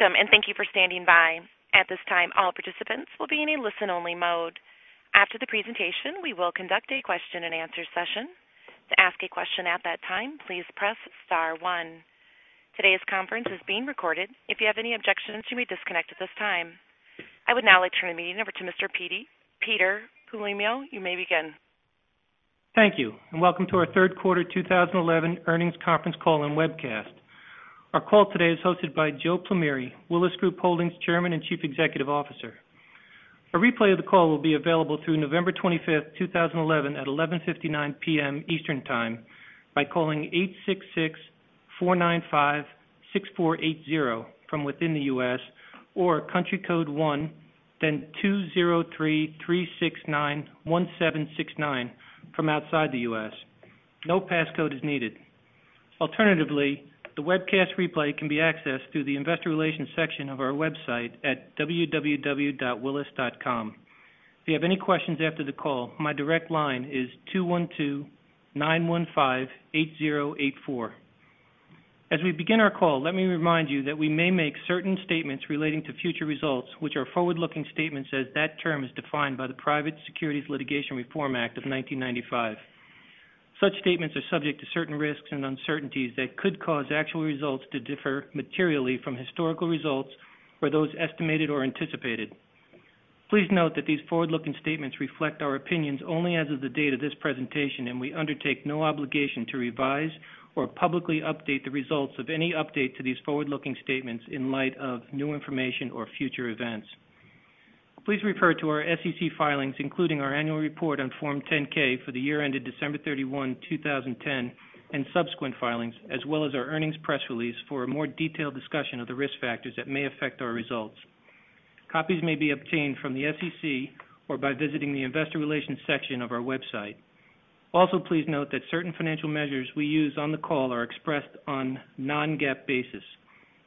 Welcome, thank you for standing by. At this time, all participants will be in a listen-only mode. After the presentation, we will conduct a question and answer session. To ask a question at that time, please press star one. Today's conference is being recorded. If you have any objections, you may disconnect at this time. I would now like to turn the meeting over to Mr. Peter Pugliese. You may begin. Thank you, welcome to our third quarter 2011 earnings conference call and webcast. Our call today is hosted by Joe Plumeri, Willis Group Holdings Chairman and Chief Executive Officer. A replay of the call will be available through November 25th, 2011, at 11:59 P.M. Eastern Time, by calling 866-495-6480 from within the U.S. or country code 1, 203-369-1769 from outside the U.S. No passcode is needed. Alternatively, the webcast replay can be accessed through the investor relations section of our website at www.willis.com. If you have any questions after the call, my direct line is 212-915-8084. As we begin our call, let me remind you that we may make certain statements relating to future results, which are forward-looking statements as that term is defined by the Private Securities Litigation Reform Act of 1995. Such statements are subject to certain risks and uncertainties that could cause actual results to differ materially from historical results or those estimated or anticipated. Please note that these forward-looking statements reflect our opinions only as of the date of this presentation, we undertake no obligation to revise or publicly update the results of any update to these forward-looking statements in light of new information or future events. Please refer to our SEC filings, including our annual report on Form 10-K for the year ended December 31, 2010, subsequent filings, as well as our earnings press release for a more detailed discussion of the risk factors that may affect our results. Copies may be obtained from the SEC or by visiting the investor relations section of our website. Also, please note that certain financial measures we use on the call are expressed on non-GAAP basis.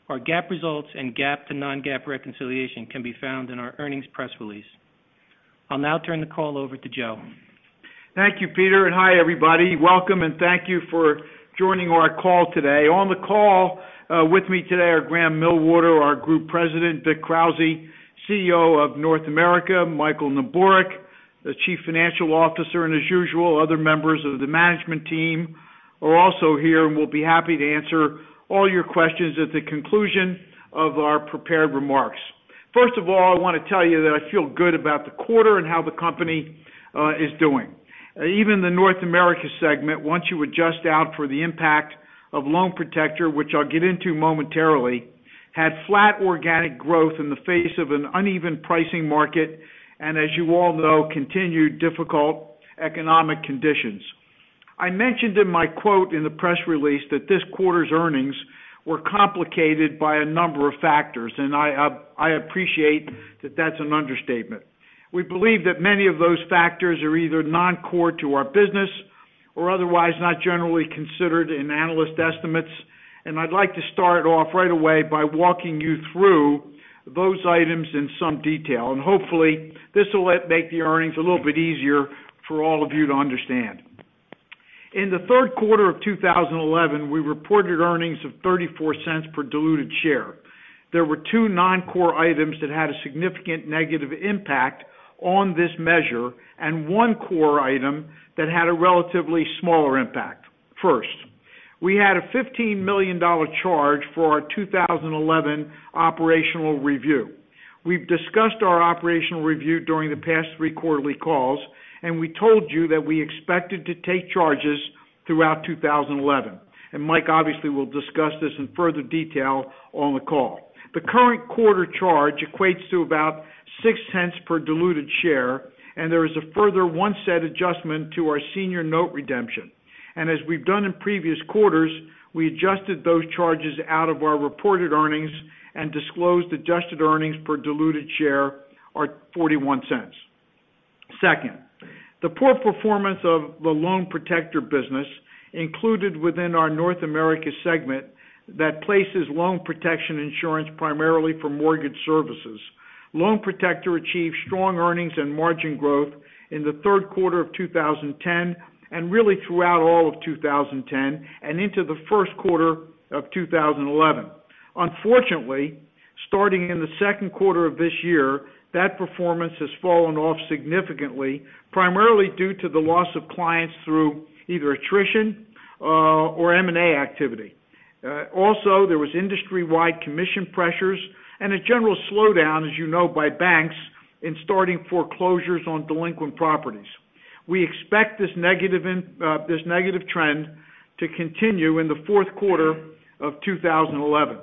Our GAAP results and GAAP to non-GAAP reconciliation can be found in our earnings press release. I'll now turn the call over to Joe. Thank you, Peter, and hi, everybody. Welcome, and thank you for joining our call today. On the call with me today are Grahame Millwater, our Group President, Vic Krauze, CEO of North America, Michael Neborak, the Chief Financial Officer, and as usual, other members of the management team are also here and will be happy to answer all your questions at the conclusion of our prepared remarks. First of all, I want to tell you that I feel good about the quarter and how the company is doing. Even the North America segment, once you adjust out for the impact of Loan Protector, which I'll get into momentarily, had flat organic growth in the face of an uneven pricing market and as you all know, continued difficult economic conditions. I mentioned in my quote in the press release that this quarter's earnings were complicated by a number of factors. I appreciate that that's an understatement. We believe that many of those factors are either non-core to our business or otherwise not generally considered in analyst estimates. I'd like to start off right away by walking you through those items in some detail. Hopefully, this will make the earnings a little bit easier for all of you to understand. In the third quarter of 2011, we reported earnings of $0.34 per diluted share. There were two non-core items that had a significant negative impact on this measure and one core item that had a relatively smaller impact. First, we had a $15 million charge for our 2011 operational review. We've discussed our operational review during the past three quarterly calls. We told you that we expected to take charges throughout 2011. Mike obviously will discuss this in further detail on the call. The current quarter charge equates to about $0.06 per diluted share. There is a further $0.01 adjustment to our senior note redemption. As we've done in previous quarters, we adjusted those charges out of our reported earnings and disclosed adjusted earnings per diluted share are $0.41. Second, the poor performance of the Loan Protector business included within our North America segment that places loan protection insurance primarily for mortgage services. Loan Protector achieved strong earnings and margin growth in the third quarter of 2010 and really throughout all of 2010 and into the first quarter of 2011. Unfortunately, starting in the second quarter of this year, that performance has fallen off significantly, primarily due to the loss of clients through either attrition or M&A activity. Also, there was industry-wide commission pressures and a general slowdown, as you know, by banks in starting foreclosures on delinquent properties. We expect this negative trend to continue in the fourth quarter of 2011.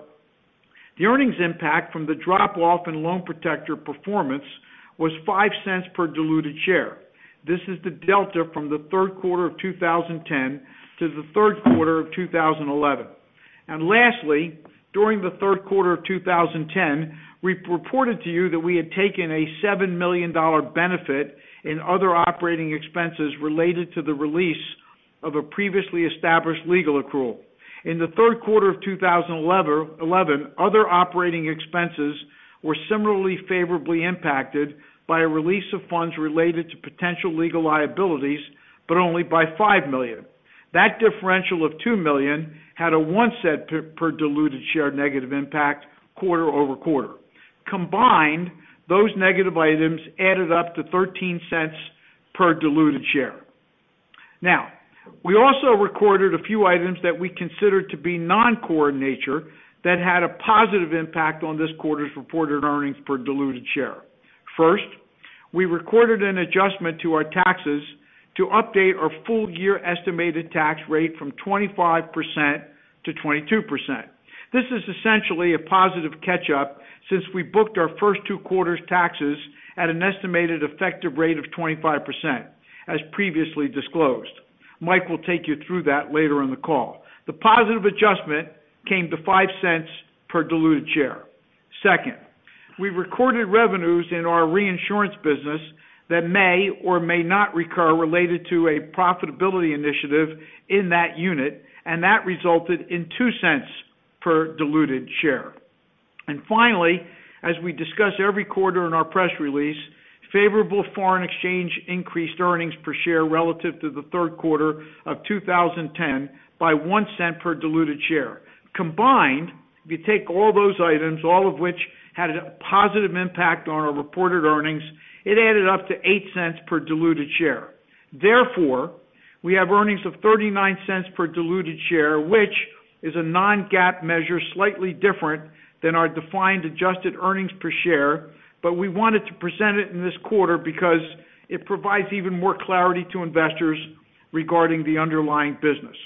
The earnings impact from the drop-off in Loan Protector performance was $0.05 per diluted share. This is the delta from the third quarter of 2010 to the third quarter of 2011. Lastly, during the third quarter of 2010, we reported to you that we had taken a $7 million benefit in other operating expenses related to the release of a previously established legal accrual. In the third quarter of 2011, other operating expenses were similarly favorably impacted by a release of funds related to potential legal liabilities, but only by $5 million. That differential of $2 million had a $0.01 per diluted share negative impact quarter-over-quarter. Combined, those negative items added up to $0.13 per diluted share. We also recorded a few items that we considered to be non-core in nature that had a positive impact on this quarter's reported earnings per diluted share. First, we recorded an adjustment to our taxes to update our full year estimated tax rate from 25% to 22%. This is essentially a positive catch-up since we booked our first two quarters taxes at an estimated effective rate of 25%, as previously disclosed. Mike will take you through that later in the call. The positive adjustment came to $0.05 per diluted share. Second, we recorded revenues in our reinsurance business that may or may not recur related to a profitability initiative in that unit, that resulted in $0.02 per diluted share. Finally, as we discuss every quarter in our press release, favorable foreign exchange increased earnings per share relative to the third quarter of 2010 by $0.01 per diluted share. Combined, if you take all those items, all of which had a positive impact on our reported earnings, it added up to $0.08 per diluted share. We have earnings of $0.39 per diluted share, which is a non-GAAP measure, slightly different than our defined adjusted earnings per share, but we wanted to present it in this quarter because it provides even more clarity to investors regarding the underlying business.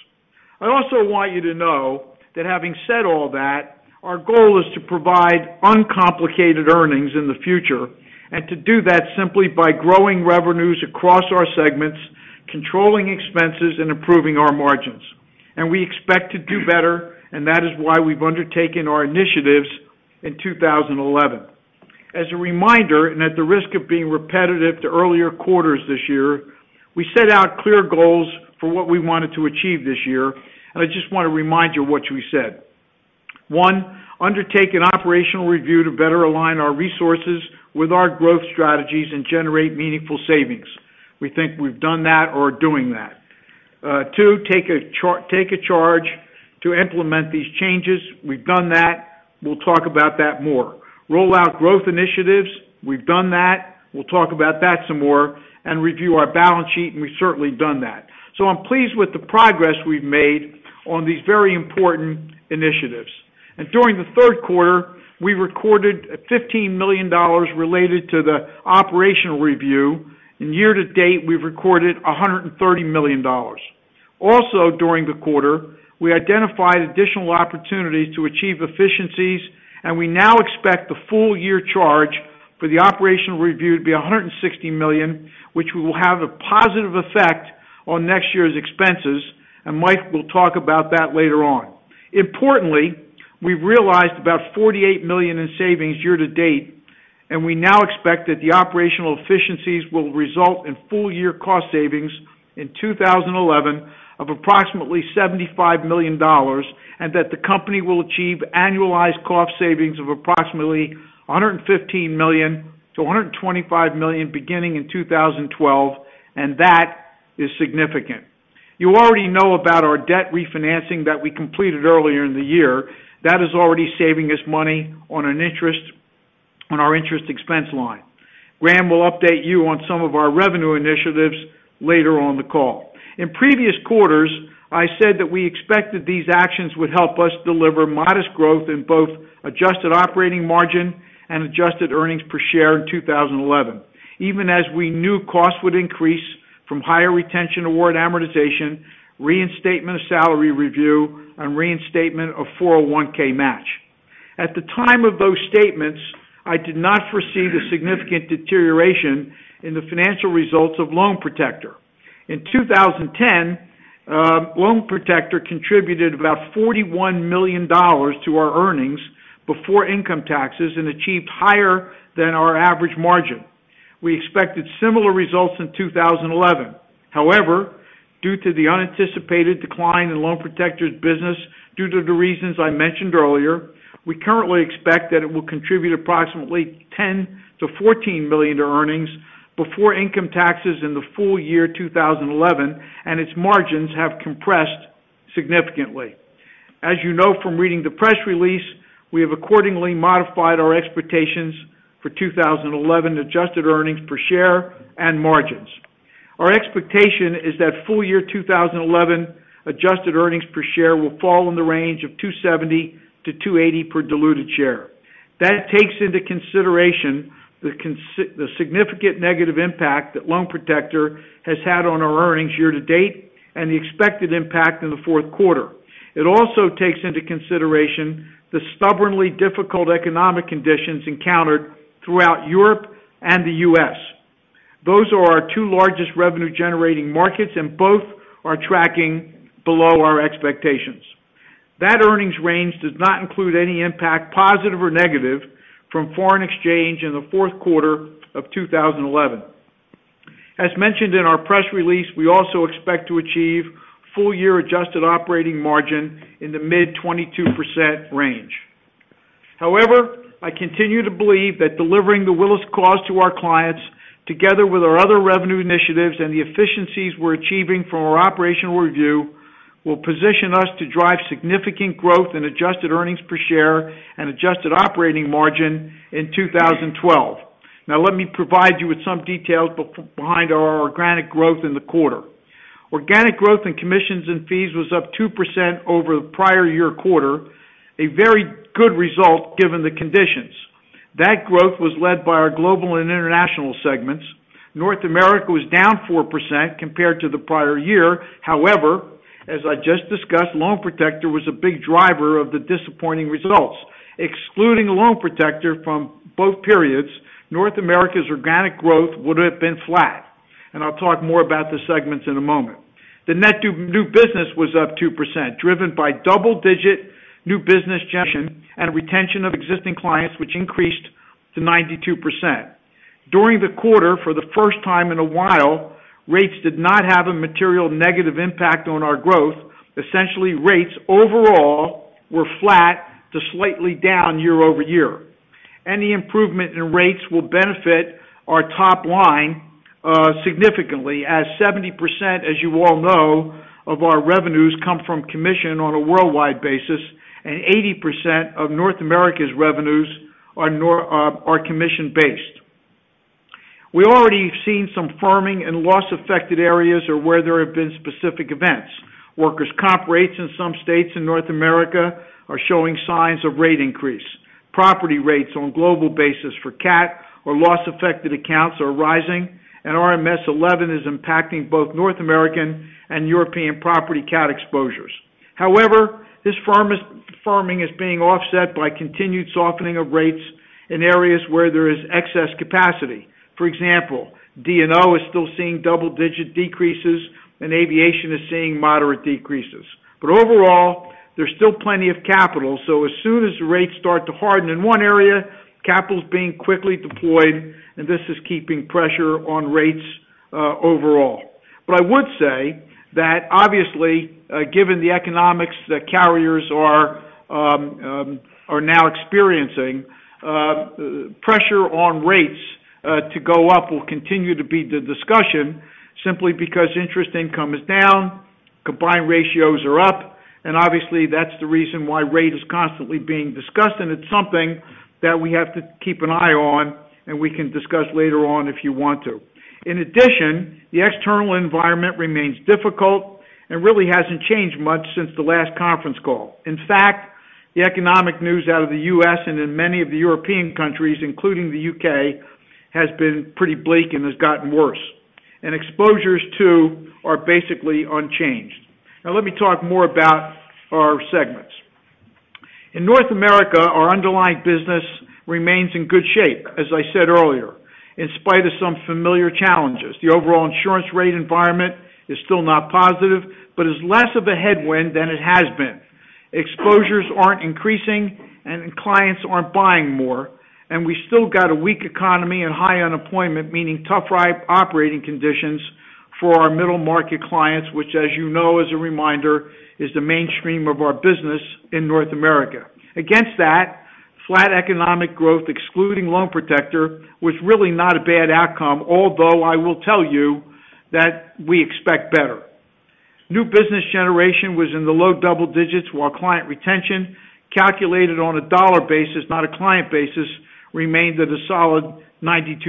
I also want you to know that having said all that, our goal is to provide uncomplicated earnings in the future, to do that simply by growing revenues across our segments, controlling expenses, and improving our margins. We expect to do better, that is why we've undertaken our initiatives in 2011. As a reminder, at the risk of being repetitive to earlier quarters this year, we set out clear goals for what we wanted to achieve this year, I just want to remind you what we said. One, undertake an operational review to better align our resources with our growth strategies and generate meaningful savings. We think we've done that or are doing that. Two, take a charge to implement these changes. We've done that. We'll talk about that more. Rollout growth initiatives. We've done that. We'll talk about that some more, review our balance sheet, we've certainly done that. I'm pleased with the progress we've made on these very important initiatives. During the third quarter, we recorded a $15 million related to the operational review. Year-to-date, we've recorded $130 million. Also during the quarter, we identified additional opportunities to achieve efficiencies, we now expect the full year charge for the operational review to be $160 million, which will have a positive effect on next year's expenses, Mike will talk about that later on. Importantly, we've realized about $48 million in savings year-to-date, and we now expect that the operational efficiencies will result in full year cost savings in 2011 of approximately $75 million, and that the company will achieve annualized cost savings of approximately $115 million to $125 million beginning in 2012, and that is significant. You already know about our debt refinancing that we completed earlier in the year. That is already saving us money on our interest expense line. Grahame will update you on some of our revenue initiatives later on the call. In previous quarters, I said that we expected these actions would help us deliver modest growth in both adjusted operating margin and adjusted earnings per share in 2011, even as we knew costs would increase from higher retention award amortization, reinstatement of salary review, and reinstatement of 401(k) match. At the time of those statements, I did not foresee the significant deterioration in the financial results of Loan Protector. In 2010, Loan Protector contributed about $41 million to our earnings before income taxes and achieved higher than our average margin. We expected similar results in 2011. However, due to the unanticipated decline in Loan Protector's business due to the reasons I mentioned earlier, we currently expect that it will contribute approximately $10 million to $14 million to earnings before income taxes in the full year 2011, and its margins have compressed significantly. As you know from reading the press release, we have accordingly modified our expectations for 2011 adjusted earnings per share and margins. Our expectation is that full year 2011 adjusted earnings per share will fall in the range of $2.70 to $2.80 per diluted share. That takes into consideration the significant negative impact that Loan Protector has had on our earnings year-to-date and the expected impact in the fourth quarter. It also takes into consideration the stubbornly difficult economic conditions encountered throughout Europe and the U.S. Those are our two largest revenue-generating markets, and both are tracking below our expectations. That earnings range does not include any impact, positive or negative, from foreign exchange in the fourth quarter of 2011. As mentioned in our press release, we also expect to achieve full year adjusted operating margin in the mid-22% range. However, I continue to believe that delivering The Willis Cause to our clients, together with our other revenue initiatives and the efficiencies we're achieving from our operational review, will position us to drive significant growth in adjusted earnings per share and adjusted operating margin in 2012. Now let me provide you with some details behind our organic growth in the quarter. Organic growth in commissions and fees was up 2% over the prior year quarter, a very good result given the conditions. That growth was led by our global and international segments. North America was down 4% compared to the prior year. However, as I just discussed, Loan Protector was a big driver of the disappointing results. Excluding Loan Protector from both periods, North America's organic growth would have been flat. I'll talk more about the segments in a moment. The net new business was up 2%, driven by double-digit new business generation and retention of existing clients, which increased to 92%. During the quarter, for the first time in a while, rates did not have a material negative impact on our growth. Essentially, rates overall were flat to slightly down year-over-year. Any improvement in rates will benefit our top line significantly, as 70%, as you all know, of our revenues come from commission on a worldwide basis, and 80% of North America's revenues are commission-based. We already have seen some firming in loss-affected areas or where there have been specific events. Workers' comp rates in some states in North America are showing signs of rate increase. Property rates on global basis for cat or loss-affected accounts are rising, and RMS 11 is impacting both North American and European property cat exposures. This firming is being offset by continued softening of rates in areas where there is excess capacity. For example, D&O is still seeing double-digit decreases, and aviation is seeing moderate decreases. Overall, there's still plenty of capital, so as soon as the rates start to harden in one area, capital is being quickly deployed, and this is keeping pressure on rates overall. I would say that obviously, given the economics that carriers are now experiencing, pressure on rates to go up will continue to be the discussion, simply because interest income is down, combined ratios are up, and obviously that's the reason why rate is constantly being discussed, and it's something that we have to keep an eye on, and we can discuss later on if you want to. In addition, the external environment remains difficult and really hasn't changed much since the last conference call. In fact, the economic news out of the U.S. and in many of the European countries, including the U.K., has been pretty bleak and has gotten worse. Exposures, too, are basically unchanged. Let me talk more about our segments. In North America, our underlying business remains in good shape, as I said earlier, in spite of some familiar challenges. The overall insurance rate environment is still not positive but is less of a headwind than it has been. Exposures aren't increasing, and clients aren't buying more, and we still got a weak economy and high unemployment, meaning tough operating conditions for our middle-market clients, which, as you know, as a reminder, is the mainstream of our business in North America. Against that, flat economic growth, excluding Loan Protector, was really not a bad outcome, although I will tell you that we expect better. New business generation was in the low double digits, while client retention, calculated on a dollar basis, not a client basis, remained at a solid 92%,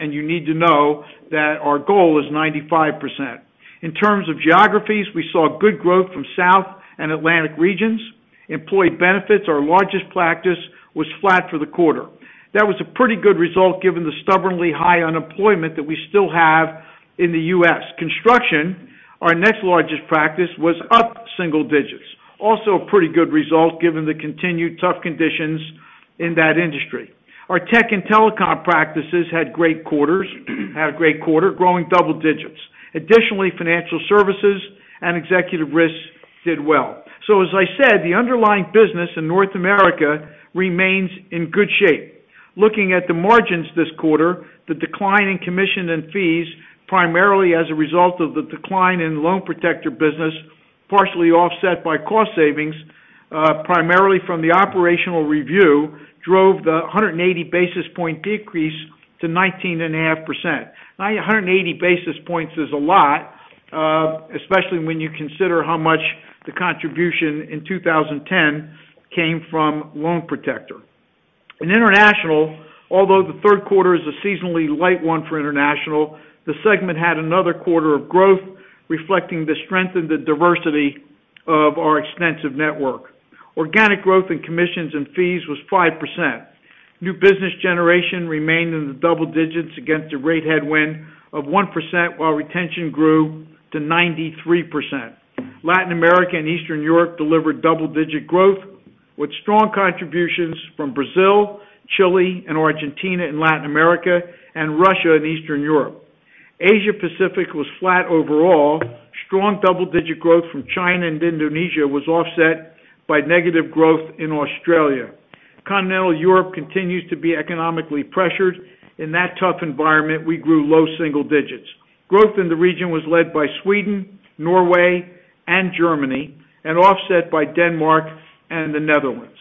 and you need to know that our goal is 95%. In terms of geographies, we saw good growth from South and Atlantic regions. Employee benefits, our largest practice, was flat for the quarter. That was a pretty good result given the stubbornly high unemployment that we still have in the U.S. Construction, our next largest practice, was up single digits. Also, a pretty good result given the continued tough conditions in that industry. Our tech and telecom practices had a great quarter, growing double digits. Additionally, financial services and executive risks did well. As I said, the underlying business in North America remains in good shape. Looking at the margins this quarter, the decline in commission and fees, primarily as a result of the decline in the Loan Protector business, partially offset by cost savings, primarily from the operational review, drove the 180 basis point decrease to 19.5%. 180 basis points is a lot, especially when you consider how much the contribution in 2010 came from Loan Protector. In International, although the third quarter is a seasonally light one for International, the segment had another quarter of growth, reflecting the strength and the diversity of our extensive network. Organic growth in commissions and fees was 5%. New business generation remained in the double digits against a rate headwind of 1%, while retention grew to 93%. Latin America and Eastern Europe delivered double-digit growth, with strong contributions from Brazil, Chile, and Argentina in Latin America, and Russia in Eastern Europe. Asia Pacific was flat overall. Strong double-digit growth from China and Indonesia was offset by negative growth in Australia. Continental Europe continues to be economically pressured. In that tough environment, we grew low single digits. Growth in the region was led by Sweden, Norway, and Germany, and offset by Denmark and the Netherlands.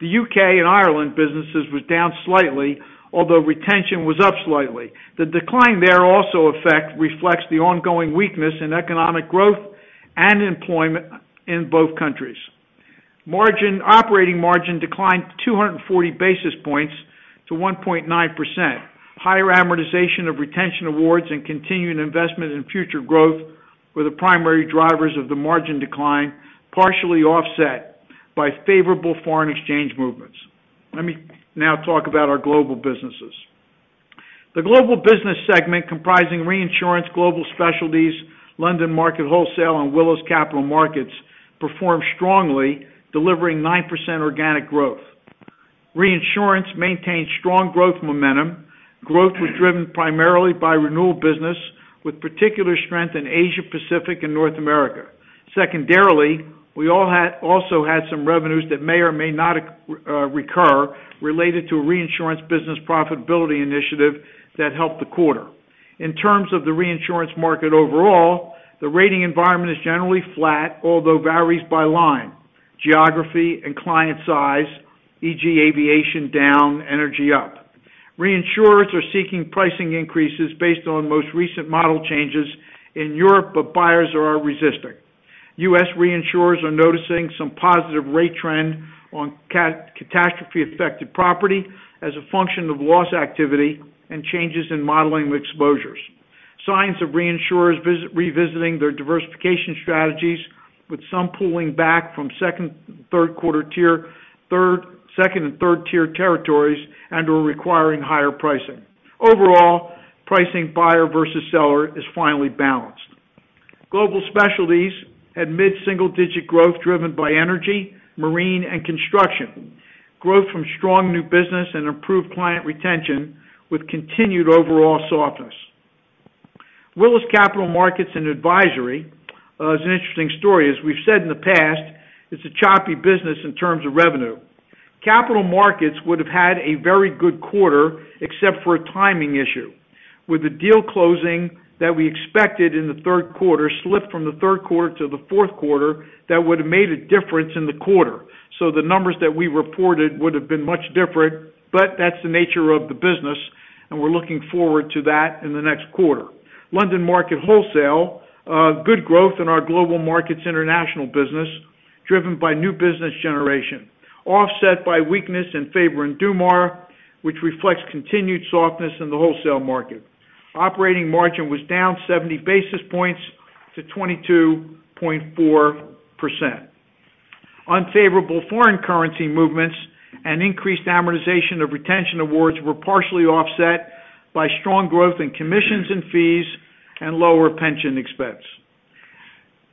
The U.K. and Ireland businesses was down slightly, although retention was up slightly. The decline there also reflects the ongoing weakness in economic growth and employment in both countries. Operating margin declined 240 basis points to 1.9%. Higher amortization of retention awards and continued investment in future growth were the primary drivers of the margin decline, partially offset by favorable foreign exchange movements. Let me now talk about our global businesses. The global business segment comprising reinsurance global specialties, London market wholesale, and Willis Capital Markets, performed strongly, delivering 9% organic growth. Reinsurance maintained strong growth momentum. Growth was driven primarily by renewal business, with particular strength in Asia Pacific and North America. Secondarily, we also had some revenues that may or may not recur related to a reinsurance business profitability initiative that helped the quarter. In terms of the reinsurance market overall, the rating environment is generally flat, although varies by line, geography, and client size, e.g. aviation down, energy up. Reinsurers are seeking pricing increases based on most recent model changes in Europe, but buyers are resisting. U.S. reinsurers are noticing some positive rate trend on catastrophe-affected property as a function of loss activity and changes in modeling exposures. Signs of reinsurers revisiting their diversification strategies with some pulling back from second and third tier territories and are requiring higher pricing. Overall, pricing buyer versus seller is finally balanced. Global specialties had mid-single digit growth driven by energy, marine, and construction. Growth from strong new business and improved client retention with continued overall softness. Willis Capital Markets & Advisory is an interesting story. As we've said in the past, it's a choppy business in terms of revenue. Capital markets would have had a very good quarter except for a timing issue, with the deal closing that we expected in the third quarter slipped from the third quarter to the fourth quarter, that would have made a difference in the quarter. The numbers that we reported would have been much different, but that's the nature of the business, and we're looking forward to that in the next quarter. London market wholesale, good growth in our Global Markets International business, driven by new business generation, offset by weakness in Faber & Dumas, which reflects continued softness in the wholesale market. Operating margin was down 70 basis points to 22.4%. Unfavorable foreign currency movements and increased amortization of retention awards were partially offset by strong growth in commissions and fees and lower pension expense.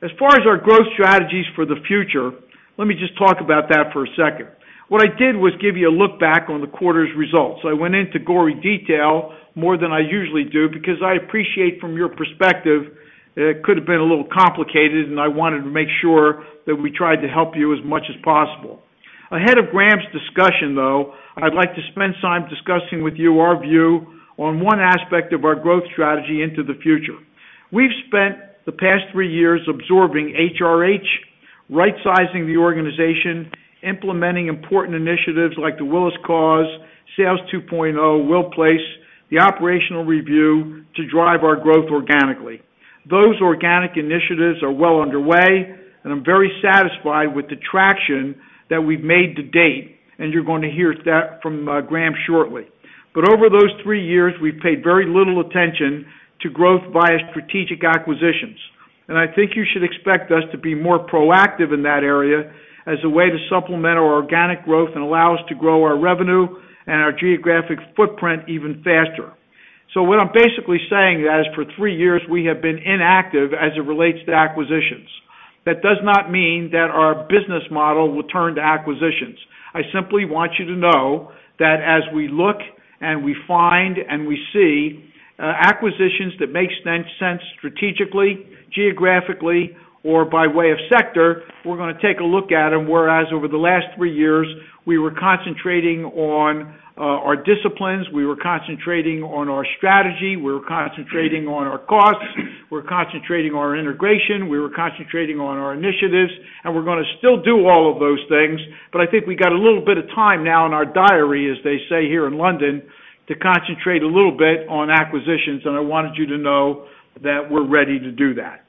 As far as our growth strategies for the future, let me just talk about that for a second. What I did was give you a look back on the quarter's results. I went into gory detail more than I usually do because I appreciate from your perspective, it could have been a little complicated, and I wanted to make sure that we tried to help you as much as possible. Ahead of Grahame's discussion, though, I'd like to spend some time discussing with you our view on one aspect of our growth strategy into the future. We've spent the past three years absorbing HRH, right-sizing the organization, implementing important initiatives like The Willis Cause, Sales 2.0, WillPLACE, the operational review to drive our growth organically. Those organic initiatives are well underway. I'm very satisfied with the traction that we've made to date, and you're going to hear that from Grahame shortly. Over those three years, we've paid very little attention to growth via strategic acquisitions. I think you should expect us to be more proactive in that area as a way to supplement our organic growth and allow us to grow our revenue and our geographic footprint even faster. What I'm basically saying is for three years, we have been inactive as it relates to acquisitions. That does not mean that our business model will turn to acquisitions. I simply want you to know that as we look and we find and we see acquisitions that makes sense strategically, geographically, or by way of sector, we're going to take a look at them, whereas over the last three years, we were concentrating on our disciplines, we were concentrating on our strategy, we were concentrating on our costs, we were concentrating on our integration, we were concentrating on our initiatives, and we're going to still do all of those things. I think we got a little bit of time now in our diary, as they say here in London, to concentrate a little bit on acquisitions, and I wanted you to know that we're ready to do that.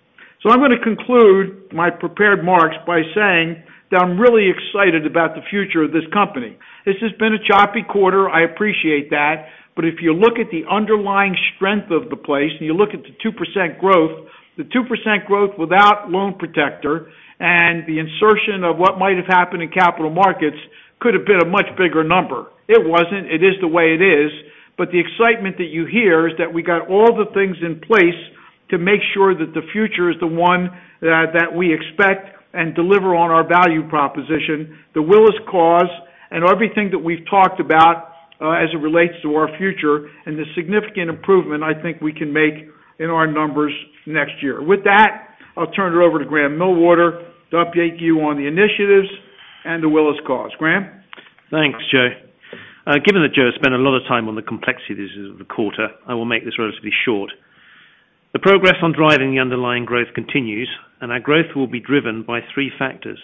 I'm going to conclude my prepared marks by saying that I'm really excited about the future of this company. This has been a choppy quarter. I appreciate that. If you look at the underlying strength of the place, and you look at the 2% growth, the 2% growth without Loan Protector and the insertion of what might have happened in capital markets could have been a much bigger number. It wasn't. It is the way it is. The excitement that you hear is that we got all the things in place to make sure that the future is the one that we expect and deliver on our value proposition, The Willis Cause, and everything that we've talked about as it relates to our future and the significant improvement I think we can make in our numbers next year. With that, I'll turn it over to Grahame Millwater to update you on the initiatives and The Willis Cause. Grahame? Thanks, Joe. Given that Joe spent a lot of time on the complexities of the quarter, I will make this relatively short. Our growth will be driven by 3 factors: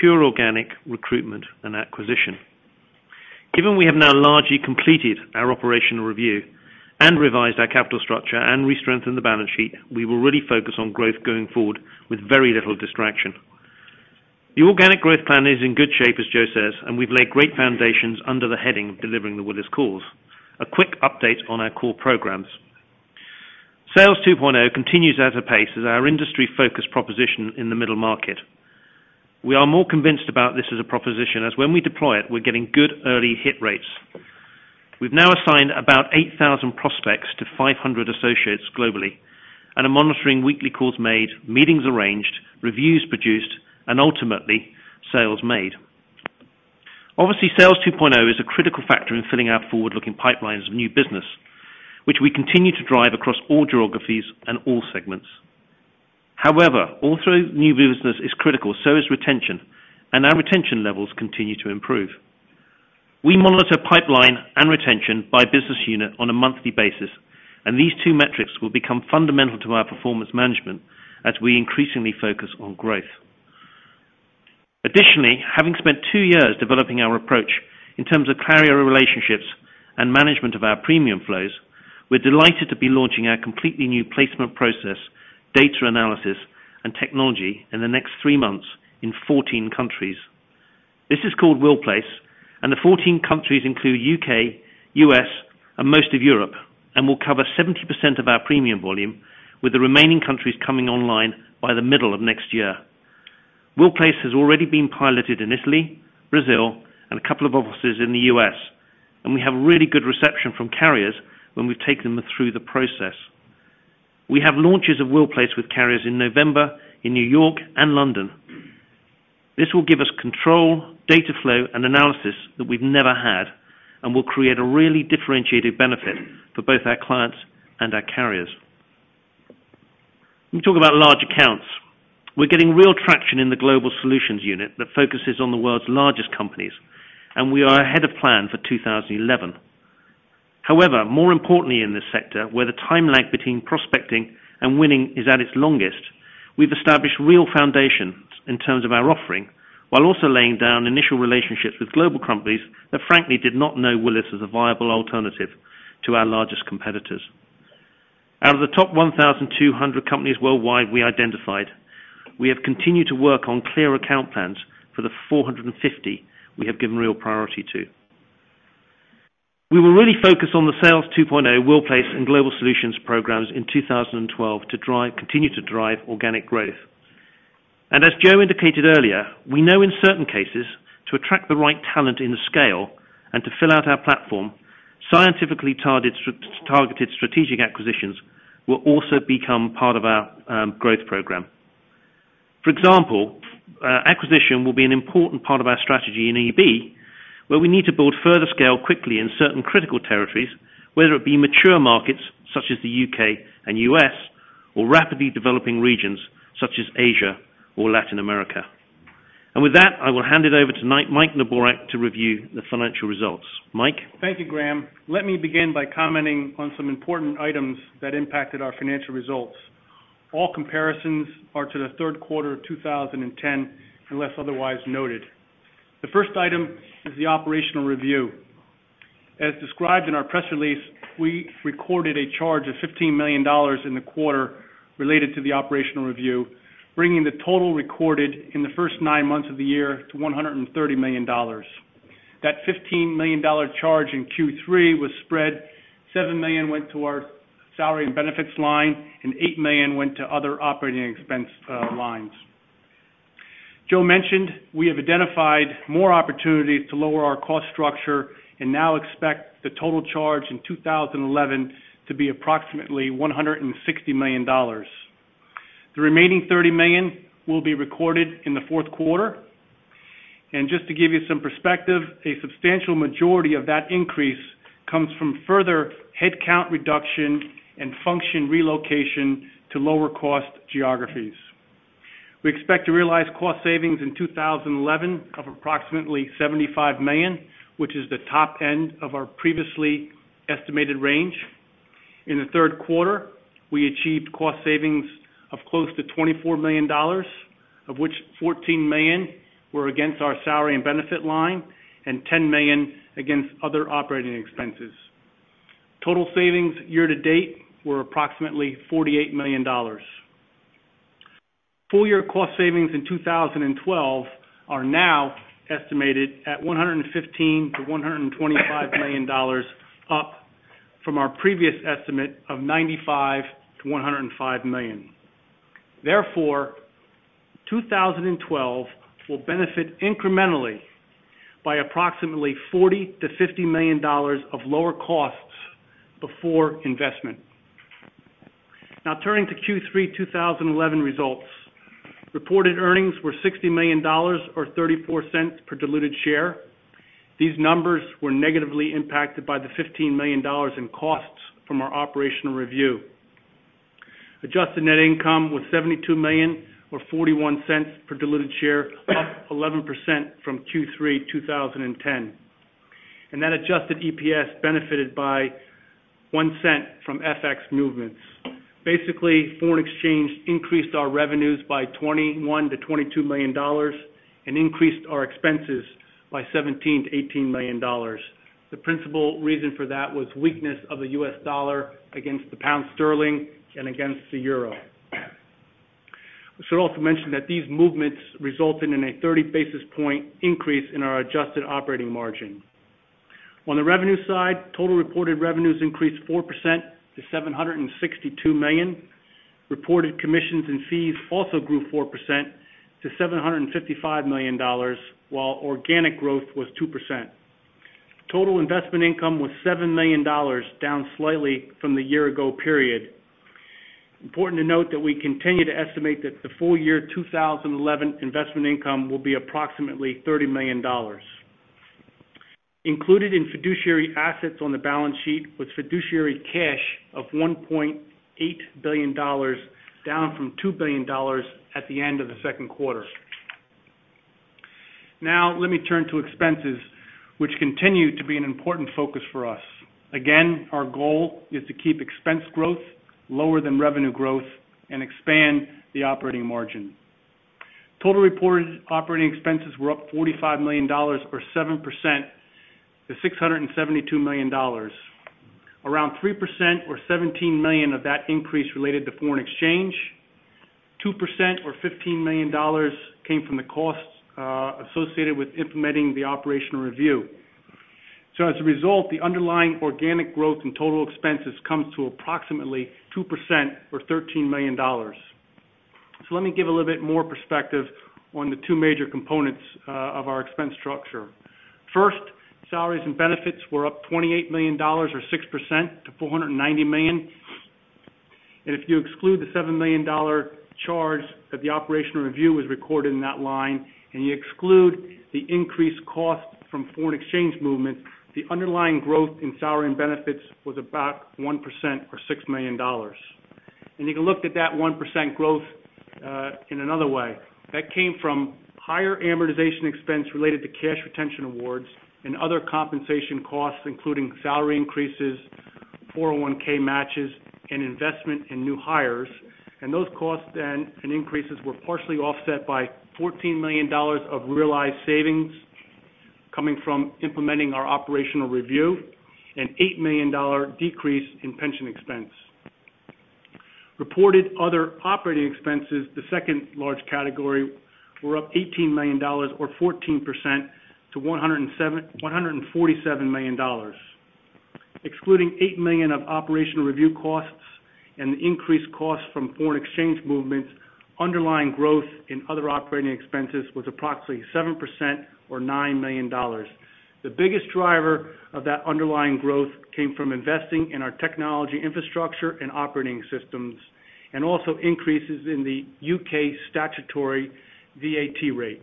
pure organic recruitment and acquisition. Given we have now largely completed our operational review and revised our capital structure and re-strengthened the balance sheet, we will really focus on growth going forward with very little distraction. The organic growth plan is in good shape, as Joe says, and we've laid great foundations under the heading of delivering The Willis Cause. A quick update on our core programs. Sales 2.0 continues at a pace as our industry-focused proposition in the middle market. We are more convinced about this as a proposition, as when we deploy it, we're getting good early hit rates. We've now assigned about 8,000 prospects to 500 associates globally and are monitoring weekly calls made, meetings arranged, reviews produced, and ultimately, sales made. Obviously, Sales 2.0 is a critical factor in filling our forward-looking pipelines of new business, which we continue to drive across all geographies and all segments. However, although new business is critical, so is retention. Our retention levels continue to improve. We monitor pipeline and retention by business unit on a monthly basis, and these 2 metrics will become fundamental to our performance management as we increasingly focus on growth. Additionally, having spent 2 years developing our approach in terms of carrier relationships and management of our premium flows, we're delighted to be launching our completely new placement process, data analysis, and technology in the next 3 months in 14 countries. This is called WillPLACE. The 14 countries include U.K., U.S., and most of Europe, and will cover 70% of our premium volume, with the remaining countries coming online by the middle of next year. WillPLACE has already been piloted in Italy, Brazil, and a couple of offices in the U.S. We have really good reception from carriers when we've taken them through the process. We have launches of WillPLACE with carriers in November in New York and London. This will give us control, data flow, and analysis that we've never had and will create a really differentiated benefit for both our clients and our carriers. Let me talk about large accounts. We're getting real traction in the global solutions unit that focuses on the world's largest companies, and we are ahead of plan for 2011. However, more importantly in this sector, where the time lag between prospecting and winning is at its longest, we've established real foundations in terms of our offering, while also laying down initial relationships with global companies that frankly did not know Willis as a viable alternative to our largest competitors. Out of the top 1,200 companies worldwide we identified, we have continued to work on clear account plans for the 450 we have given real priority to. We will really focus on the Sales 2.0, WillPLACE, and global solutions programs in 2012 to continue to drive organic growth. As Joe indicated earlier, we know in certain cases to attract the right talent in the scale and to fill out our platform, scientifically targeted strategic acquisitions will also become part of our growth program. For example, acquisition will be an important part of our strategy in EB, where we need to build further scale quickly in certain critical territories, whether it be mature markets such as the U.K. and U.S. or rapidly developing regions such as Asia or Latin America. With that, I will hand it over to Mike Neborak to review the financial results. Mike. Thank you, Grahame. Let me begin by commenting on some important items that impacted our financial results. All comparisons are to the third quarter of 2010, unless otherwise noted. The first item is the operational review. As described in our press release, we recorded a charge of $15 million in the quarter related to the operational review, bringing the total recorded in the first nine months of the year to $130 million. That $15 million charge in Q3 was spread. $7 million went to our salary and benefits line, and $8 million went to other operating expense lines. Joe mentioned we have identified more opportunities to lower our cost structure and now expect the total charge in 2011 to be approximately $160 million. The remaining $30 million will be recorded in the fourth quarter. Just to give you some perspective, a substantial majority of that increase comes from further headcount reduction and function relocation to lower-cost geographies. We expect to realize cost savings in 2011 of approximately $75 million, which is the top end of our previously estimated range. In the third quarter, we achieved cost savings of close to $24 million, of which $14 million were against our salary and benefit line and $10 million against other operating expenses. Total savings year to date were approximately $48 million. Full-year cost savings in 2012 are now estimated at $115 million-$125 million, up from our previous estimate of $95 million-$105 million. Therefore, 2012 will benefit incrementally by approximately $40 million-$50 million of lower costs before investment. Turning to Q3 2011 results. Reported earnings were $60 million, or $0.34 per diluted share. These numbers were negatively impacted by the $15 million in costs from our operational review. Adjusted net income was $72 million, or $0.41 per diluted share, up 11% from Q3 2010. That adjusted EPS benefited by $0.01 from FX movements. Basically, foreign exchange increased our revenues by $21 million-$22 million and increased our expenses by $17 million-$18 million. The principal reason for that was weakness of the U.S. dollar against the pound sterling and against the euro. We should also mention that these movements resulted in a 30-basis point increase in our adjusted operating margin. On the revenue side, total reported revenues increased 4% to $762 million. Reported commissions and fees also grew 4% to $755 million, while organic growth was 2%. Total investment income was $7 million, down slightly from the year ago period. Important to note that we continue to estimate that the full year 2011 investment income will be approximately $30 million. Included in fiduciary assets on the balance sheet was fiduciary cash of $1.8 billion, down from $2 billion at the end of the second quarter. Let me turn to expenses, which continue to be an important focus for us. Again, our goal is to keep expense growth lower than revenue growth and expand the operating margin. Total reported operating expenses were up $45 million or 7% to $672 million. Around 3% or $17 million of that increase related to foreign exchange, 2% or $15 million came from the costs associated with implementing the operational review. As a result, the underlying organic growth in total expenses comes to approximately 2% or $13 million. Let me give a little bit more perspective on the two major components of our expense structure. First, salaries and benefits were up $28 million or 6% to $490 million. If you exclude the $7 million charge that the operational review has recorded in that line, and you exclude the increased cost from foreign exchange movement, the underlying growth in salary and benefits was about 1% or $6 million. You can look at that 1% growth in another way. That came from higher amortization expense related to cash retention awards and other compensation costs, including salary increases, 401(k) matches, and investment in new hires. Those costs and increases were partially offset by $14 million of realized savings coming from implementing our operational review, an $8 million decrease in pension expense. Reported other operating expenses, the second large category, were up $18 million or 14% to $147 million. Excluding $8 million of operational review costs and the increased cost from foreign exchange movements, underlying growth in other operating expenses was approximately 7% or $9 million. The biggest driver of that underlying growth came from investing in our technology infrastructure and operating systems, and also increases in the U.K. statutory VAT rate.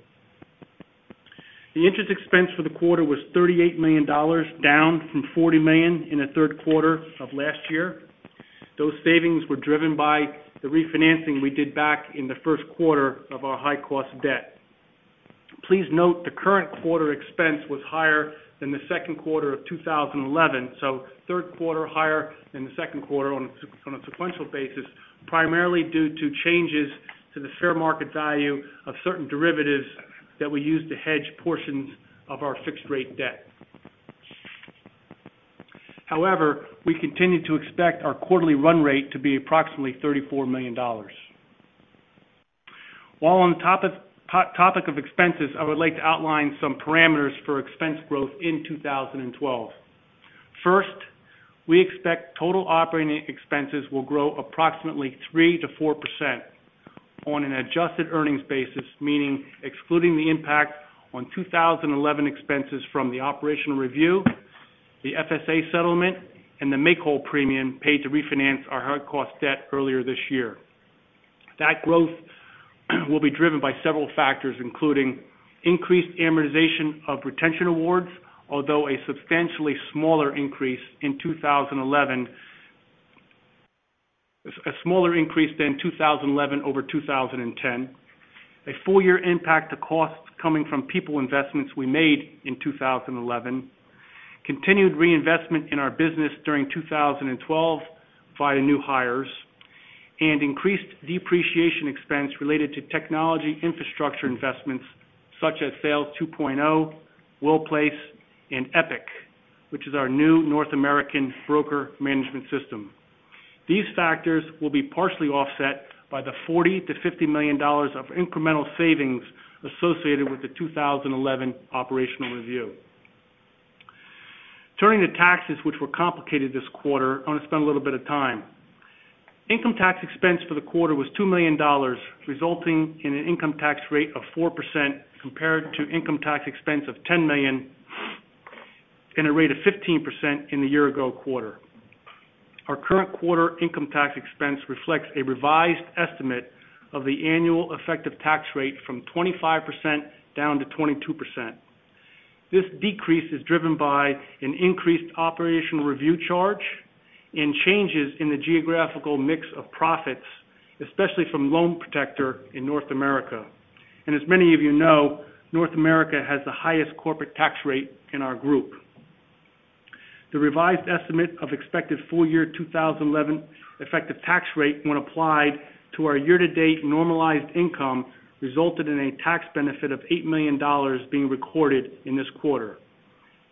The interest expense for the quarter was $38 million, down from $40 million in the third quarter of last year. Those savings were driven by the refinancing we did back in the first quarter of our high-cost debt. Please note the current quarter expense was higher than the second quarter of 2011. Third quarter higher than the second quarter on a sequential basis, primarily due to changes to the fair market value of certain derivatives that we use to hedge portions of our fixed rate debt. However, we continue to expect our quarterly run rate to be approximately $34 million. While on the topic of expenses, I would like to outline some parameters for expense growth in 2012. First, we expect total operating expenses will grow approximately 3%-4% on an adjusted earnings basis, meaning excluding the impact on 2011 expenses from the operational review, the FSA settlement, and the make-whole premium paid to refinance our high-cost debt earlier this year. That growth will be driven by several factors, including increased amortization of retention awards, although a substantially smaller increase than 2011 over 2010. A full-year impact to costs coming from people investments we made in 2011, continued reinvestment in our business during 2012 via new hires, and increased depreciation expense related to technology infrastructure investments such as Sales 2.0, WillPLACE, and Epic, which is our new North American broker management system. These factors will be partially offset by the $40 million-$50 million of incremental savings associated with the 2011 operational review. Turning to taxes, which were complicated this quarter, I want to spend a little bit of time. Income tax expense for the quarter was $2 million, resulting in an income tax rate of 4% compared to income tax expense of $10 million and a rate of 15% in the year ago quarter. Our current quarter income tax expense reflects a revised estimate of the annual effective tax rate from 25% down to 22%. This decrease is driven by an increased operational review charge and changes in the geographical mix of profits, especially from Loan Protector in North America. As many of you know, North America has the highest corporate tax rate in our group. The revised estimate of expected full-year 2011 effective tax rate when applied to our year-to-date normalized income, resulted in a tax benefit of $8 million being recorded in this quarter.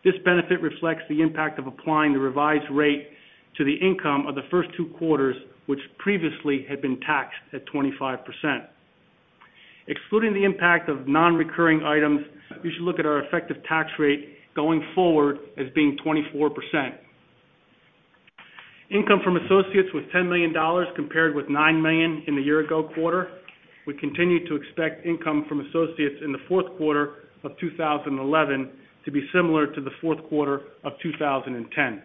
This benefit reflects the impact of applying the revised rate to the income of the first two quarters, which previously had been taxed at 25%. Excluding the impact of non-recurring items, you should look at our effective tax rate going forward as being 24%. Income from associates was $10 million, compared with $9 million in the year ago quarter. We continue to expect income from associates in the fourth quarter of 2011 to be similar to the fourth quarter of 2010.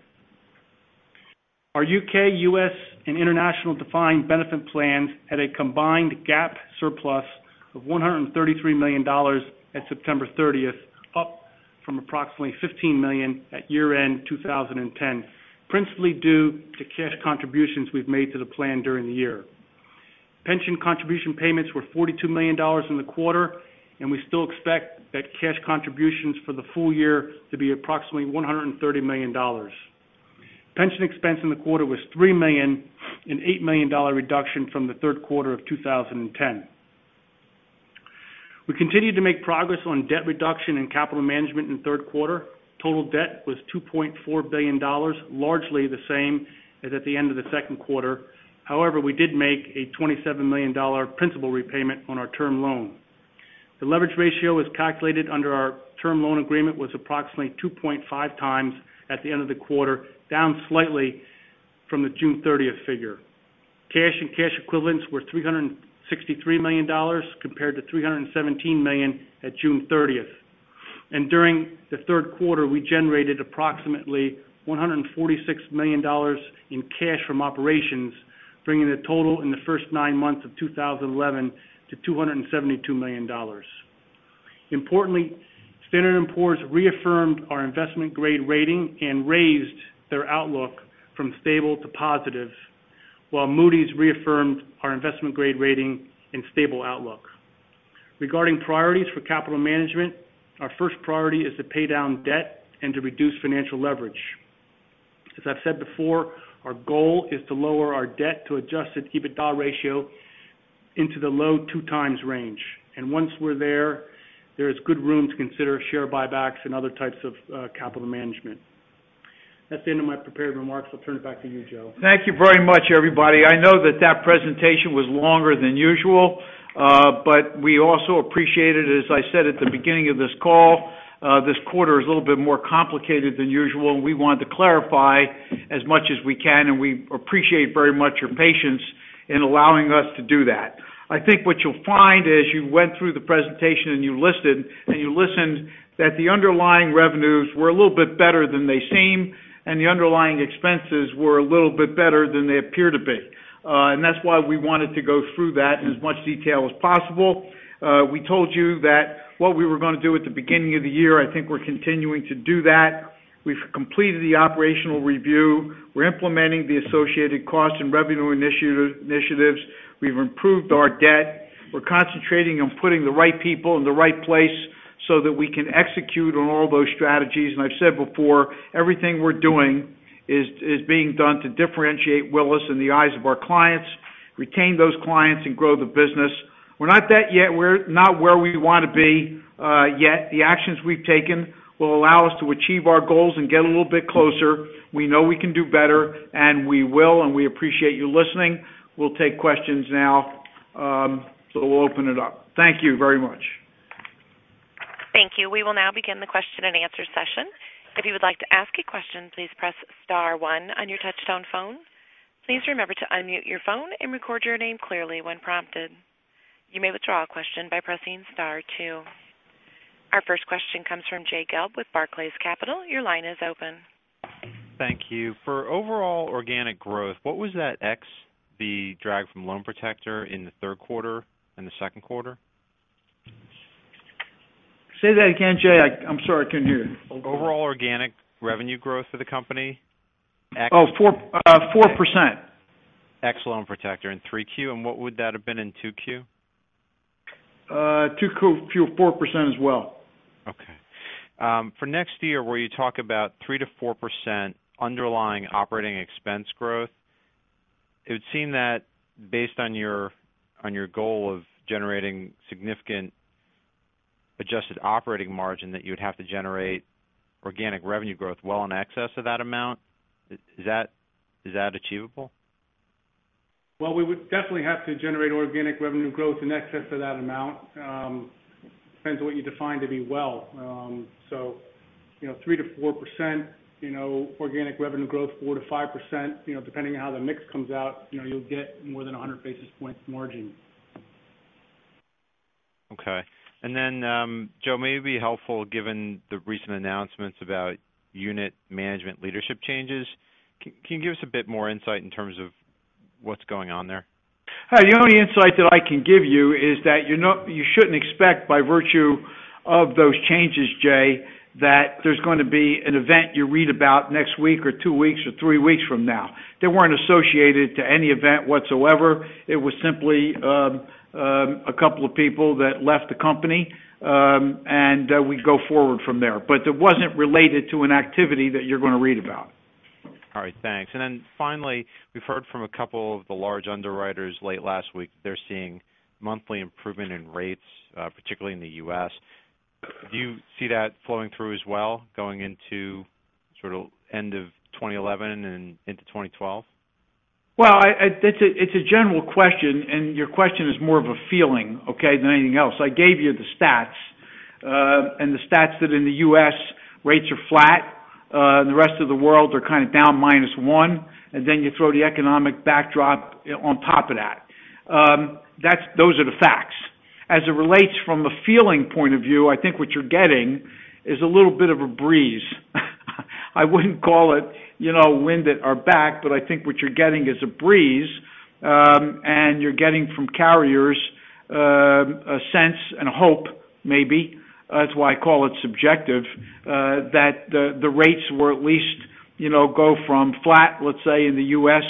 Our U.K., U.S., and international defined benefit plans had a combined GAAP surplus of $133 million at September 30th, up from approximately $15 million at year-end 2010, principally due to cash contributions we've made to the plan during the year. Pension contribution payments were $42 million in the quarter, and we still expect that cash contributions for the full year to be approximately $130 million. Pension expense in the quarter was $3 million, an $8 million reduction from the third quarter of 2010. We continued to make progress on debt reduction and capital management in the third quarter. Total debt was $2.4 billion, largely the same as at the end of the second quarter. However, we did make a $27 million principal repayment on our term loan. The leverage ratio was calculated under our term loan agreement was approximately 2.5 times at the end of the quarter, down slightly from the June 30th figure. Cash and cash equivalents were $363 million, compared to $317 million at June 30th. During the third quarter, we generated approximately $146 million in cash from operations, bringing the total in the first nine months of 2011 to $272 million. Importantly, Standard & Poor's reaffirmed our investment-grade rating and raised their outlook from stable to positive, while Moody's reaffirmed our investment-grade rating and stable outlook. Regarding priorities for capital management, our first priority is to pay down debt and to reduce financial leverage. As I've said before, our goal is to lower our debt to adjusted EBITDA ratio into the low two times range. Once we're there is good room to consider share buybacks and other types of capital management. That's the end of my prepared remarks. I'll turn it back to you, Joe. Thank you very much, everybody. I know that that presentation was longer than usual. We also appreciate it. As I said at the beginning of this call, this quarter is a little bit more complicated than usual, and we wanted to clarify as much as we can, and we appreciate very much your patience in allowing us to do that. I think what you'll find as you went through the presentation and you listened, that the underlying revenues were a little bit better than they seem, and the underlying expenses were a little bit better than they appear to be. That's why we wanted to go through that in as much detail as possible. We told you that what we were going to do at the beginning of the year, I think we're continuing to do that. We've completed the operational review. We're implementing the associated cost and revenue initiatives. We've improved our debt. We're concentrating on putting the right people in the right place so that we can execute on all those strategies. I've said before, everything we're doing is being done to differentiate Willis in the eyes of our clients, retain those clients, and grow the business. We're not where we want to be yet. The actions we've taken will allow us to achieve our goals and get a little bit closer. We know we can do better, and we will, and we appreciate you listening. We'll take questions now. We'll open it up. Thank you very much. Thank you. We will now begin the question and answer session. If you would like to ask a question, please press *1 on your touchtone phone. Please remember to unmute your phone and record your name clearly when prompted. You may withdraw a question by pressing *2. Our first question comes from Jay Gelb with Barclays Capital. Your line is open. Thank you. For overall organic growth, what was that ex the drag from Loan Protector in the third quarter and the second quarter? Say that again, Jay. I'm sorry, I couldn't hear you. Overall organic revenue growth for the company. Oh, 4%. Ex Loan Protector in 3Q, what would that have been in 2Q? 2Q, 4% as well. Okay. For next year, where you talk about 3% to 4% underlying operating expense growth, it would seem that based on your goal of generating significant adjusted operating margin, that you would have to generate organic revenue growth well in excess of that amount. Is that achievable? Well, we would definitely have to generate organic revenue growth in excess of that amount. Depends on what you define to be well. 3% to 4% organic revenue growth, 4% to 5%, depending on how the mix comes out, you'll get more than 100 basis points margin. Okay. Joe, it may be helpful given the recent announcements about unit management leadership changes. Can you give us a bit more insight in terms of What's going on there? The only insight that I can give you is that you shouldn't expect by virtue of those changes, Jay, that there's going to be an event you read about next week or two weeks or three weeks from now. They weren't associated to any event whatsoever. It was simply a couple of people that left the company, we go forward from there. It wasn't related to an activity that you're going to read about. All right, thanks. Finally, we've heard from a couple of the large underwriters late last week they're seeing monthly improvement in rates, particularly in the U.S. Do you see that flowing through as well, going into end of 2011 and into 2012? Well, it's a general question. Your question is more of a feeling, okay, than anything else. I gave you the stats. The stats that in the U.S. rates are flat. In the rest of the world are kind of down -1. You throw the economic backdrop on top of that. Those are the facts. As it relates from a feeling point of view, I think what you're getting is a little bit of a breeze. I wouldn't call it wind at our back. I think what you're getting is a breeze, and you're getting from carriers a sense and a hope maybe, that's why I call it subjective, that the rates will at least go from flat, let's say, in the U.S.